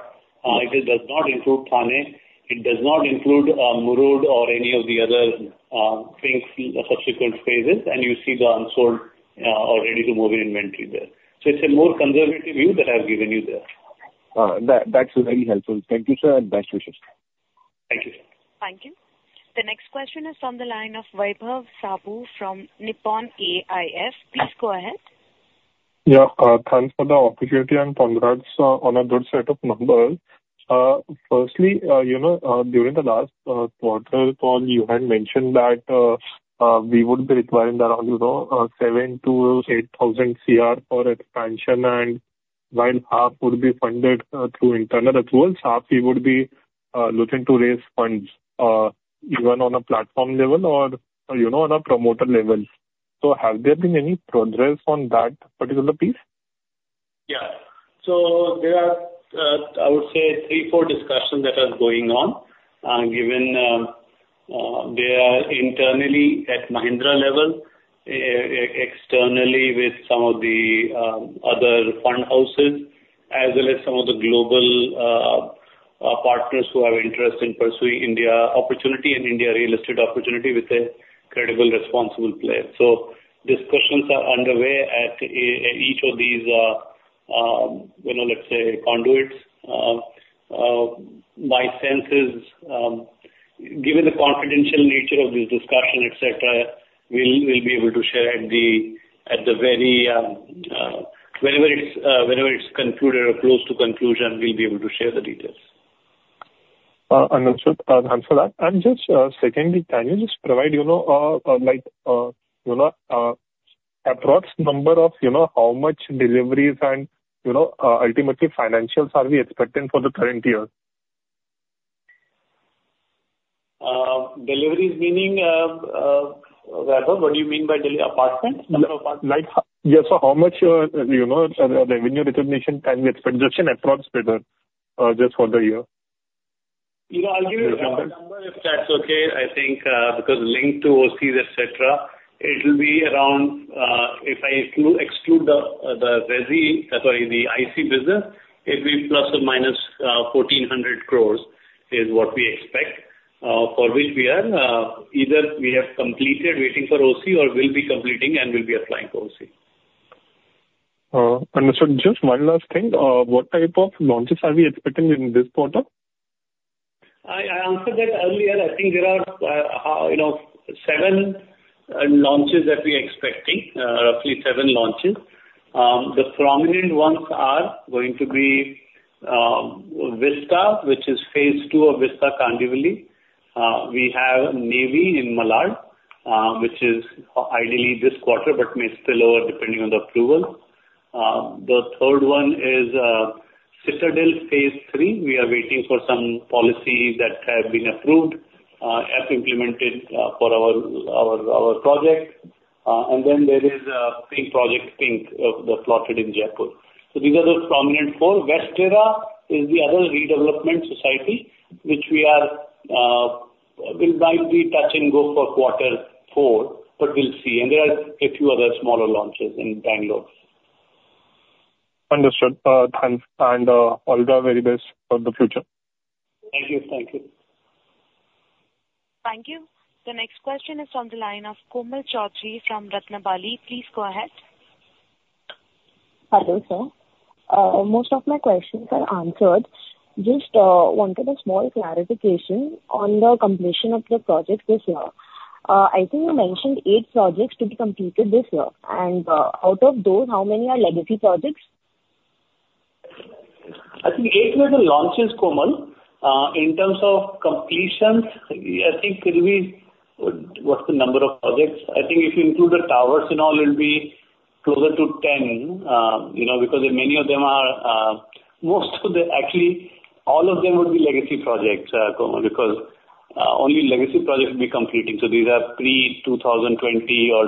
It does not include Thane. It does not include, Murud or any of the other, things, the subsequent phases, and you see the unsold, or ready to move in inventory there. So it's a more conservative view that I've given you there. That's very helpful. Thank you, sir, and best wishes. Thank you. Thank you. The next question is from the line of Vaibhav Saboo from Nippon AIF. Please go ahead. Yeah, thanks for the opportunity, and congrats on a good set of numbers. Firstly, you know, during the last quarter call, you had mentioned that we would be requiring around, you know, 7,000 crore-8,000 crore for expansion, and one half would be funded through internal approval. Half we would be looking to raise funds even on a platform level or, you know, on a promoter level. So have there been any progress on that particular piece? Yeah. So there are, I would say three, four discussions that are going on. Given, they are internally at Mahindra level, externally with some of the, other fund houses, as well as some of the global, partners who have interest in pursuing India opportunity and India real estate opportunity with a credible, responsible player. So discussions are underway at, each of these, you know, let's say conduits. My sense is, given the confidential nature of this discussion, et cetera, we'll be able to share at the, at the very, whenever it's concluded or close to conclusion, we'll be able to share the details. Understood. Thanks for that. And just, secondly, can you just provide, you know, like, you know, approx number of, you know, how much deliveries and, you know, ultimately, financials are we expecting for the current year? Deliveries meaning, Vaibhav, what do you mean by delivery? Apartments? Number of apartments. Like, yeah, so how much, you know, the revenue recognition can we expect, just an approx figure, just for the year? You know, I'll give you a number, if that's okay. I think, because linked to OCs, et cetera, it will be around, if I exclude the IC business, it will be ±1,400 crore is what we expect, for which we are either we have completed waiting for OC or will be completing and will be applying for OC. Understood. Just one last thing. What type of launches are we expecting in this quarter? I answered that earlier. I think there are, you know, seven launches that we are expecting, roughly seven launches. The prominent ones are going to be, Vista, which is phase II of Vista Kandivali. We have Navy in Malad, which is ideally this quarter, but may still lower depending on the approval. The third one is, Citadel phase III. We are waiting for some policies that have been approved as implemented, for our project. And then there is, Project Pink, the plotted in Jaipur. So these are the prominent four. Westerra is the other redevelopment society, which we might be touch and go for quarter four, but we'll see. And there are a few other smaller launches in Bangalore. Understood. Thanks, and all the very best for the future. Thank you. Thank you. Thank you. The next question is from the line of Komal Chaudhary from Ratnabali. Please go ahead. Hello, sir. Most of my questions are answered. Just wanted a small clarification on the completion of the project this year. I think you mentioned eight projects to be completed this year, and out of those, how many are legacy projects? I think eight were the launches, Komal. In terms of completions, I think it'll be, what's the number of projects? I think if you include the towers and all, it'll be closer to 10. You know, because many of them are, most of them actually, all of them would be legacy projects, Komal, because only legacy projects will be completing. So these are pre-2020 or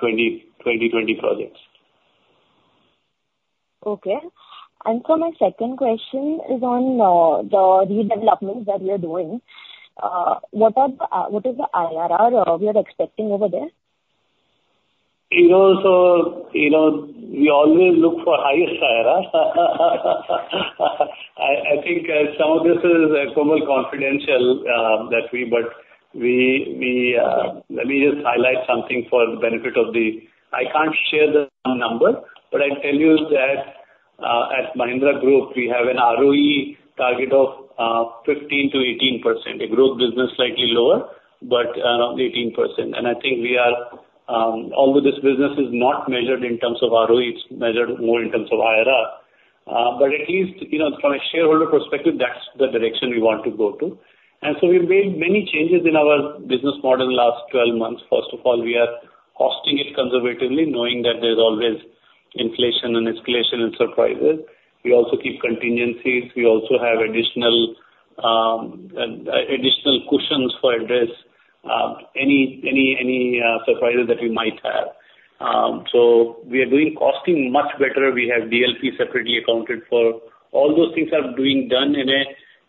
2020 projects. Okay. And so my second question is on the redevelopments that you're doing. What is the IRR we are expecting over there? You know, so, you know, we always look for highest IRR. I think some of this is, Komal, confidential, but let me just highlight something for the benefit of the, I can't share the number, but I tell you that at Mahindra Group, we have an ROE target of 15%-18%. A growth business slightly lower, but around 18%. And I think we are, although this business is not measured in terms of ROEs, it's measured more in terms of IRR, but at least, you know, from a shareholder perspective, that's the direction we want to go to. And so we've made many changes in our business model in the last 12 months. First of all, we are costing it conservatively, knowing that there's always inflation and escalation and surprises. We also keep contingencies. We also have additional cushions for adverse any surprises that we might have. So we are doing costing much better. We have DLP separately accounted for. All those things are being done in a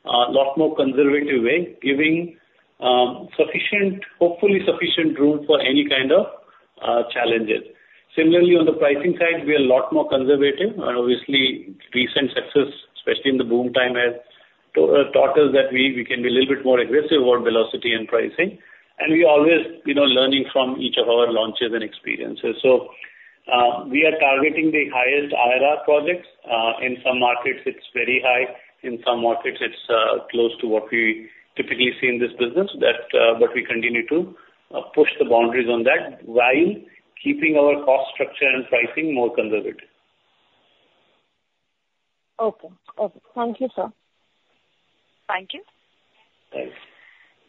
lot more conservative way, giving sufficient, hopefully sufficient room for any kind of challenges. Similarly, on the pricing side, we are a lot more conservative. And obviously, recent success, especially in the boom time, has taught us that we can be a little bit more aggressive on velocity and pricing. And we always, you know, learning from each of our launches and experiences. So we are targeting the highest IRR projects. In some markets, it's very high. In some markets, it's close to what we typically see in this business. That, but we continue to push the boundaries on that, while keeping our cost structure and pricing more conservative. Okay. Okay. Thank you, sir. Thank you. Thanks.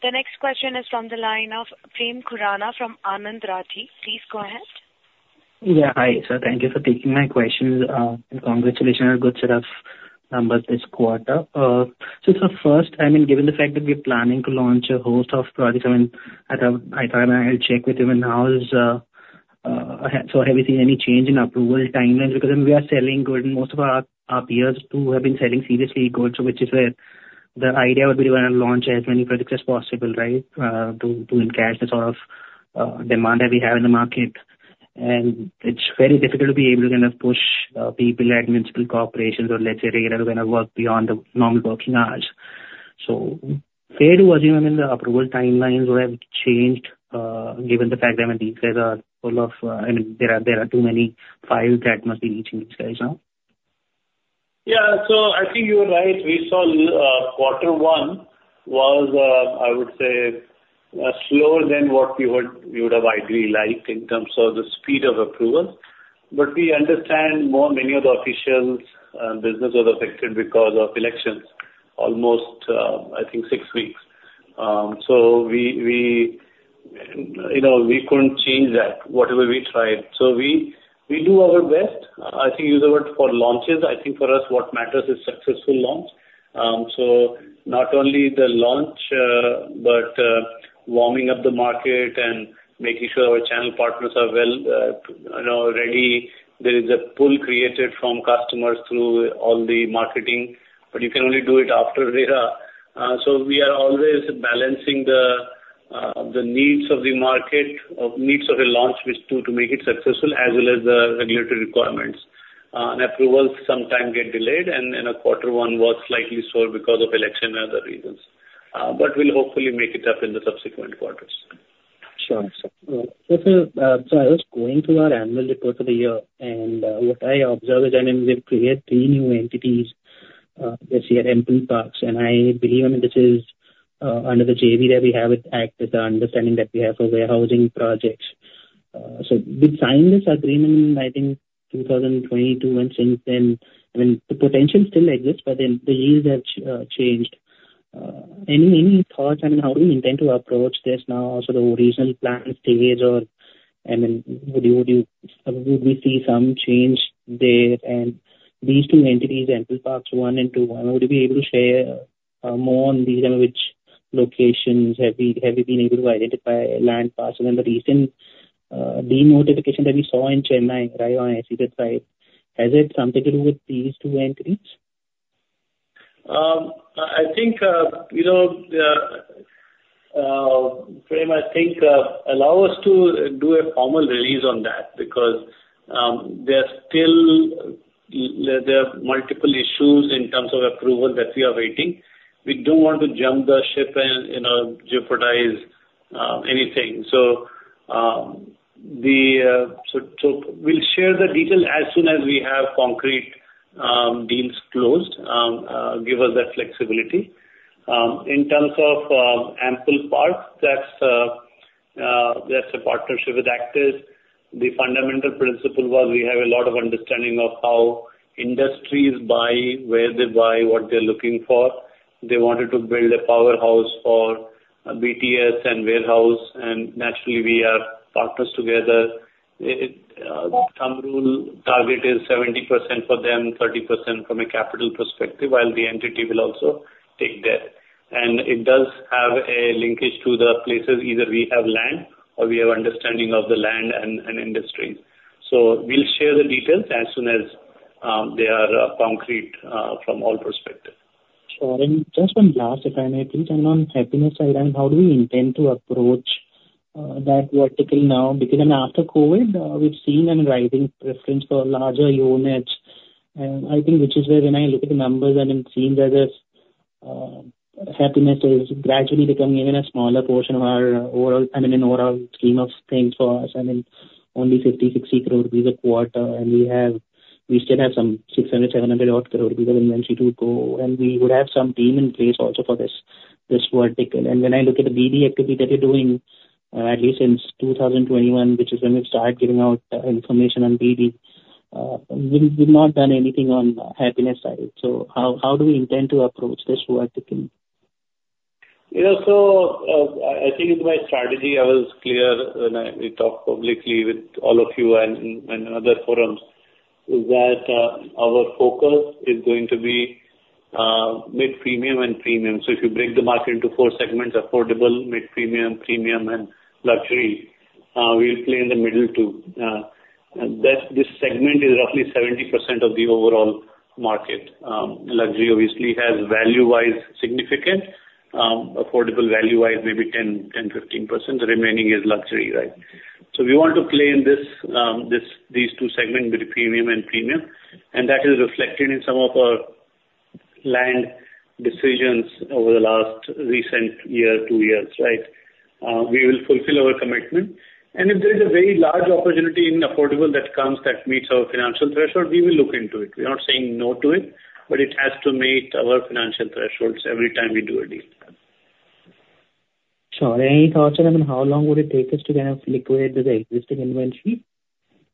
The next question is from the line of Prem Khurana from Anand Rathi. Please go ahead. Yeah. Hi, sir. Thank you for taking my questions. And congratulations on good set of numbers this quarter. So sir first, I mean, given the fact that we're planning to launch a host of projects, I mean, I thought I'd check with you on how is, so have you seen any change in approval timelines? Because we are selling good, and most of our peers too, have been selling seriously good, so which is where the idea would be to want to launch as many projects as possible, right? To encash the sort of demand that we have in the market. And it's very difficult to be able to kind of push people at municipal corporations or lesser area to kind of work beyond the normal working hours. Fair to assume, I mean, the approval timelines would have changed, given the fact that these guys are full of, I mean, there are too many files that must be reaching these guys now. Yeah. So I think you're right. We saw quarter one was, I would say, slower than what we would have ideally liked in terms of the speed of approval. But we understand many of the officials' business was affected because of elections, almost, I think six weeks. So we, you know, we couldn't change that, whatever we tried. So we do our best. I think you use the word for launches. I think for us, what matters is successful launch. So not only the launch, but warming up the market and making sure our channel partners are well, you know, ready. There is a pull created from customers through all the marketing, but you can only do it after RERA. So we are always balancing the needs of the market, the needs of a launch, which to make it successful, as well as the regulatory requirements. And approvals sometimes get delayed, and our quarter one was slightly slow because of election and other reasons, but we'll hopefully make it up in the subsequent quarters. Sure, sir. So, sir, so I was going through our annual report for the year, and what I observed is that we've created three new entities this year, Ample Parks, and I believe, I mean, this is under the JV that we have with Actis, with the understanding that we have for warehousing projects. So we signed this agreement in, I think, 2022, and since then, I mean, the potential still exists, but then the yields have changed. Any thoughts? I mean, how do you intend to approach this now? So the recent plans, the ways. And then would you, would we see some change there? These two entities, Ample Parks one and two, would you be able to share more on these? I mean, which locations have we been able to identify land parcel and the recent notification that we saw in Chennai, right, on SEZ site? Has it something to do with these two entities? I think, you know, Prem, I think allow us to do a formal release on that, because there are still multiple issues in terms of approval that we are waiting. We don't want to jump the ship and, you know, jeopardize anything. So, we'll share the detail as soon as we have concrete deals closed, give us that flexibility. In terms of Ample Parks, that's a partnership with Actis. The fundamental principle was we have a lot of understanding of how industries buy, where they buy, what they're looking for. They wanted to build a powerhouse for BTS and warehouse, and naturally, we are partners together. It thumb rule target is 70% for them, 30% from a capital perspective, while the entity will also take that. It does have a linkage to the places either we have land or we have understanding of the land and industry. So we'll share the details as soon as they are concrete from all perspective. Sure. And just one last, if I may, please, and on Happinest side, and how do we intend to approach that vertical now? Because then after COVID, we've seen a rising preference for larger units. And I think which is where when I look at the numbers and it seems as if Happinest is gradually becoming even a smaller portion of our overall, I mean, in overall scheme of things for us, I mean, only 50 crore-60 crore rupees a quarter, and we have, we still have some 600 crore-700-odd crore rupees of inventory to go. And we would have some team in place also for this vertical. When I look at the BD activity that you're doing, at least since 2021, which is when we started giving out information on BD, we've not done anything on the Happinest side. So how do we intend to approach this vertical? You know, so, I think in my strategy, I was clear when we talked publicly with all of you and other forums, is that, our focus is going to be, mid-premium and premium. So if you break the market into four segments: affordable, mid-premium, premium, and luxury, we play in the middle two. And that, this segment is roughly 70% of the overall market. Luxury obviously has value-wise significance, affordable value-wise, maybe 10%-15%, the remaining is luxury, right? So we want to play in this, this, these two segment, mid-premium and premium, and that is reflected in some of our land decisions over the last recent year, two years, right? We will fulfill our commitment. If there is a very large opportunity in affordable that comes, that meets our financial threshold, we will look into it. We're not saying no to it, but it has to meet our financial thresholds every time we do a deal. Sure. Any thoughts on, I mean, how long would it take us to kind of liquidate the existing inventory?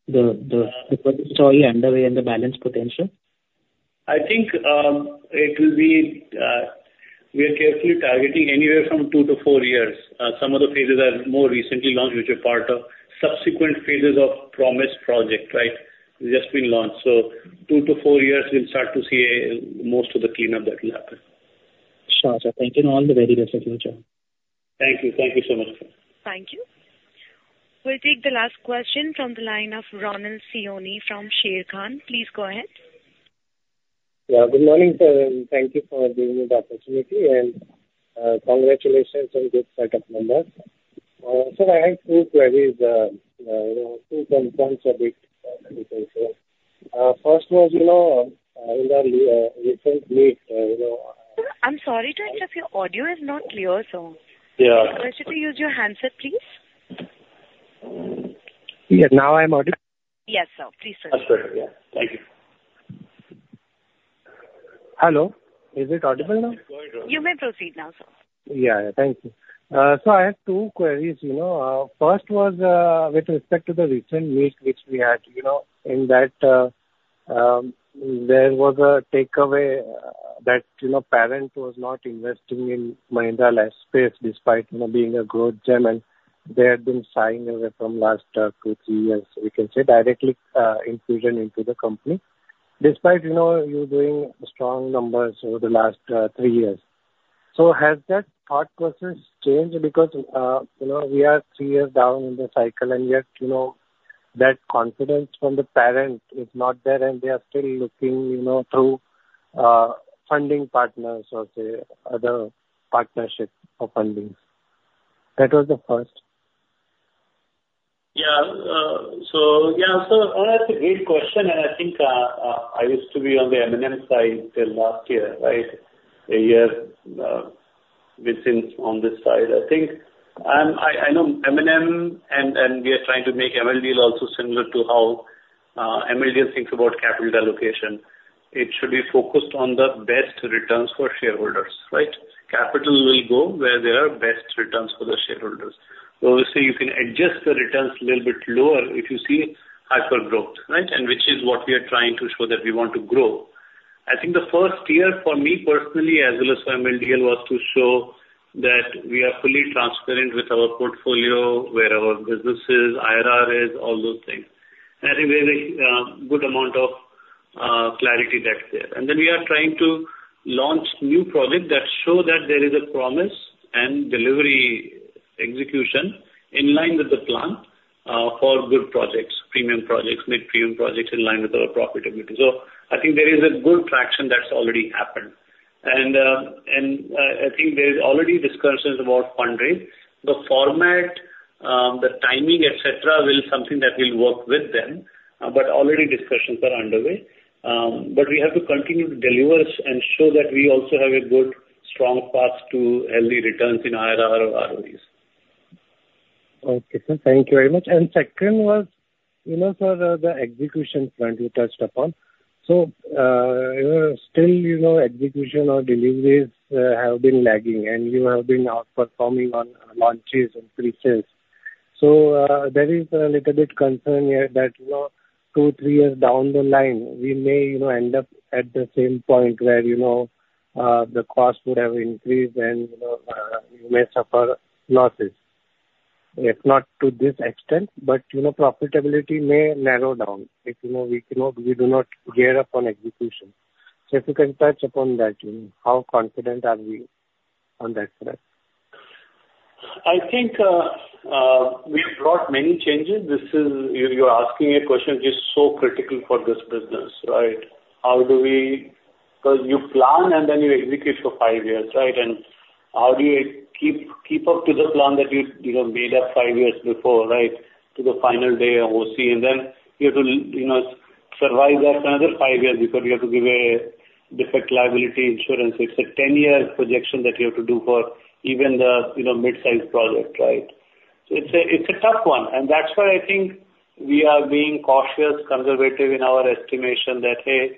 What is already underway and the balance potential. I think it will be we are carefully targeting anywhere from two to four years. Some of the phases are more recently launched, which are part of subsequent phases of promised project, right? It's just been launched. So two to four years, we'll start to see most of the cleanup that will happen. Sure, sir. Thank you, and all the very best at your job. Thank you. Thank you so much. Thank you. We'll take the last question from the line of Ronald Siyoni from Sharekhan. Please go ahead. Yeah, good morning, sir, and thank you for giving me the opportunity and congratulations on this set of numbers. So I have two queries, two concerns a bit, you can say. First was, you know, in the recent meet, you know. Sir, I'm sorry to interrupt. Your audio is not clear, sir. Yeah. Would you like to use your handset, please? Yes, now I'm audible? Yes, sir. Please proceed. That's better, yeah. Thank you. Hello, is it audible now? You may proceed now, sir. Yeah, thank you. So I have two queries, you know. First was, with respect to the recent meet which we had, you know, in that, there was a takeaway, that, you know, parent was not investing in Mahindra Lifespace, despite, you know, being a growth gem, and they had been shying away from last two, three years, we can say, directly, infusion into the company. Despite, you know, you doing strong numbers over the last three years. So has that thought process changed? Because, you know, we are three years down in the cycle, and yet, you know, that confidence from the parent is not there, and they are still looking, you know, through, funding partners or, say, other partnerships for funding. That was the first. Yeah, so yeah, so, it's a great question, and I think, I used to be on the M&M side till last year, right? A year, within, on this side. I think, I, I know M&M and, and we are trying to make MLDL also similar to how MLDL thinks about capital allocation. It should be focused on the best returns for shareholders, right? Capital will go where there are best returns for the shareholders. Obviously, you can adjust the returns a little bit lower if you see hyper growth, right? And which is what we are trying to show that we want to grow. I think the first year for me personally, as well as for MLDL, was to show that we are fully transparent with our portfolio, where our business is, IRR is, all those things. I think there is a good amount of clarity that's there. And then we are trying to launch new projects that show that there is a promise and delivery execution in line with the plan for good projects, premium projects, mid-premium projects in line with our profitability. So I think there is a good traction that's already happened. And I think there is already discussions about funding. The format, the timing, et cetera, will something that we'll work with them, but already discussions are underway. But we have to continue to deliver and show that we also have a good, strong path to healthy returns in IRR or ROEs. Okay, sir, thank you very much. And second was, you know, sir, the execution front you touched upon. So, still, you know, execution or deliveries have been lagging, and you have been outperforming on launches and pre-sales. So, there is a little bit concern here that, you know, two, three years down the line, we may, you know, end up at the same point where, you know, the cost would have increased and, you know, you may suffer losses. If not to this extent, but, you know, profitability may narrow down if, you know, we cannot—we do not gear up on execution. So if you can touch upon that, you know, how confident are we on that front? I think we've brought many changes. This is. You're asking a question which is so critical for this business, right? How do we - 'cause you plan, and then you execute for five years, right? And how do you keep up to the plan that you, you know, made up five years before, right, to the final day of OC? And then you have to, you know, survive that another five years because you have to give a defect liability insurance. It's a ten-year projection that you have to do for even the, you know, mid-sized project, right? So it's a tough one, and that's why I think we are being cautious, conservative in our estimation, that, hey,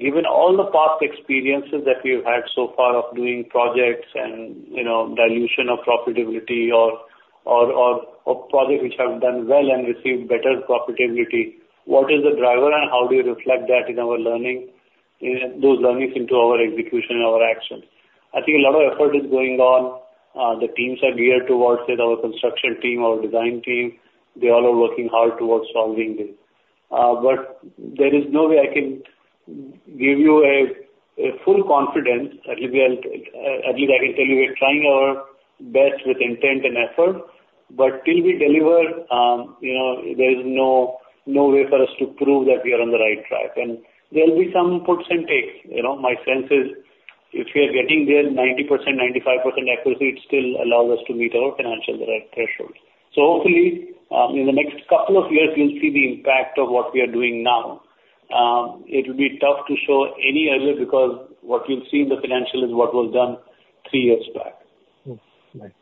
given all the past experiences that we've had so far of doing projects and, you know, dilution of profitability or projects which have done well and received better profitability, what is the driver and how do you reflect that in our learning, those learnings into our execution and our actions? I think a lot of effort is going on. The teams are geared towards it, our construction team, our design team, they all are working hard towards solving this. But there is no way I can give you a full confidence. At least we are, at least I can tell you we're trying our best with intent and effort, but till we deliver, you know, there is no, no way for us to prove that we are on the right track. And there will be some puts and takes. You know, my sense is if we are getting there 90%, 95% accuracy, it still allows us to meet our financial thresholds. So hopefully, in the next couple of years, you'll see the impact of what we are doing now. It will be tough to show any earlier, because what you'll see in the financial is what was done three years back. Right.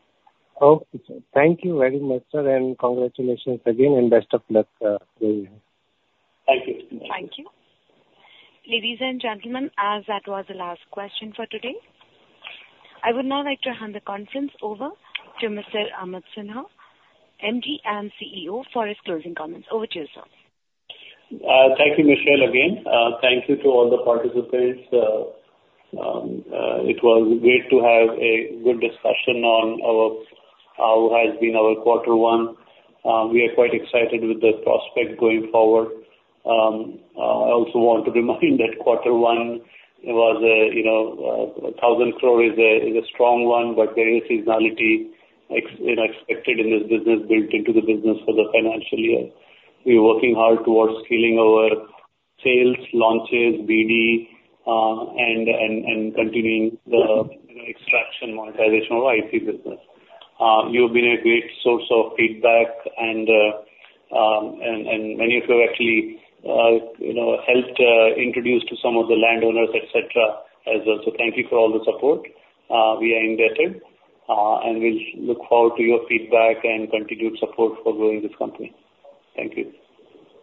Okay, sir. Thank you very much, sir, and congratulations again, and best of luck to you. Thank you. Thank you. Ladies and gentlemen, as that was the last question for today, I would now like to hand the conference over to Mr. Amit Kumar Sinha, MD and CEO, for his closing comments. Over to you, sir. Thank you, Michelle, again. Thank you to all the participants. It was great to have a good discussion on our, how has been our quarter one. We are quite excited with the prospect going forward. I also want to remind that quarter one was a, you know, 1,000 crore is a, is a strong one, but there is seasonality ex- you know, expected in this business, built into the business for the financial year. We are working hard towards scaling our sales, launches, BD, and continuing the, you know, extraction, monetization of IP business. You've been a great source of feedback and many of you have actually, you know, helped introduce to some of the landowners, et cetera, as well. So thank you for all the support. We are indebted, and we look forward to your feedback and continued support for growing this company. Thank you.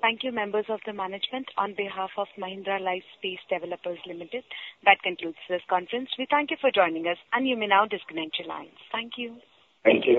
Thank you, members of the management. On behalf of Mahindra Lifespace Developers Limited, that concludes this conference. We thank you for joining us, and you may now disconnect your lines. Thank you. Thank you.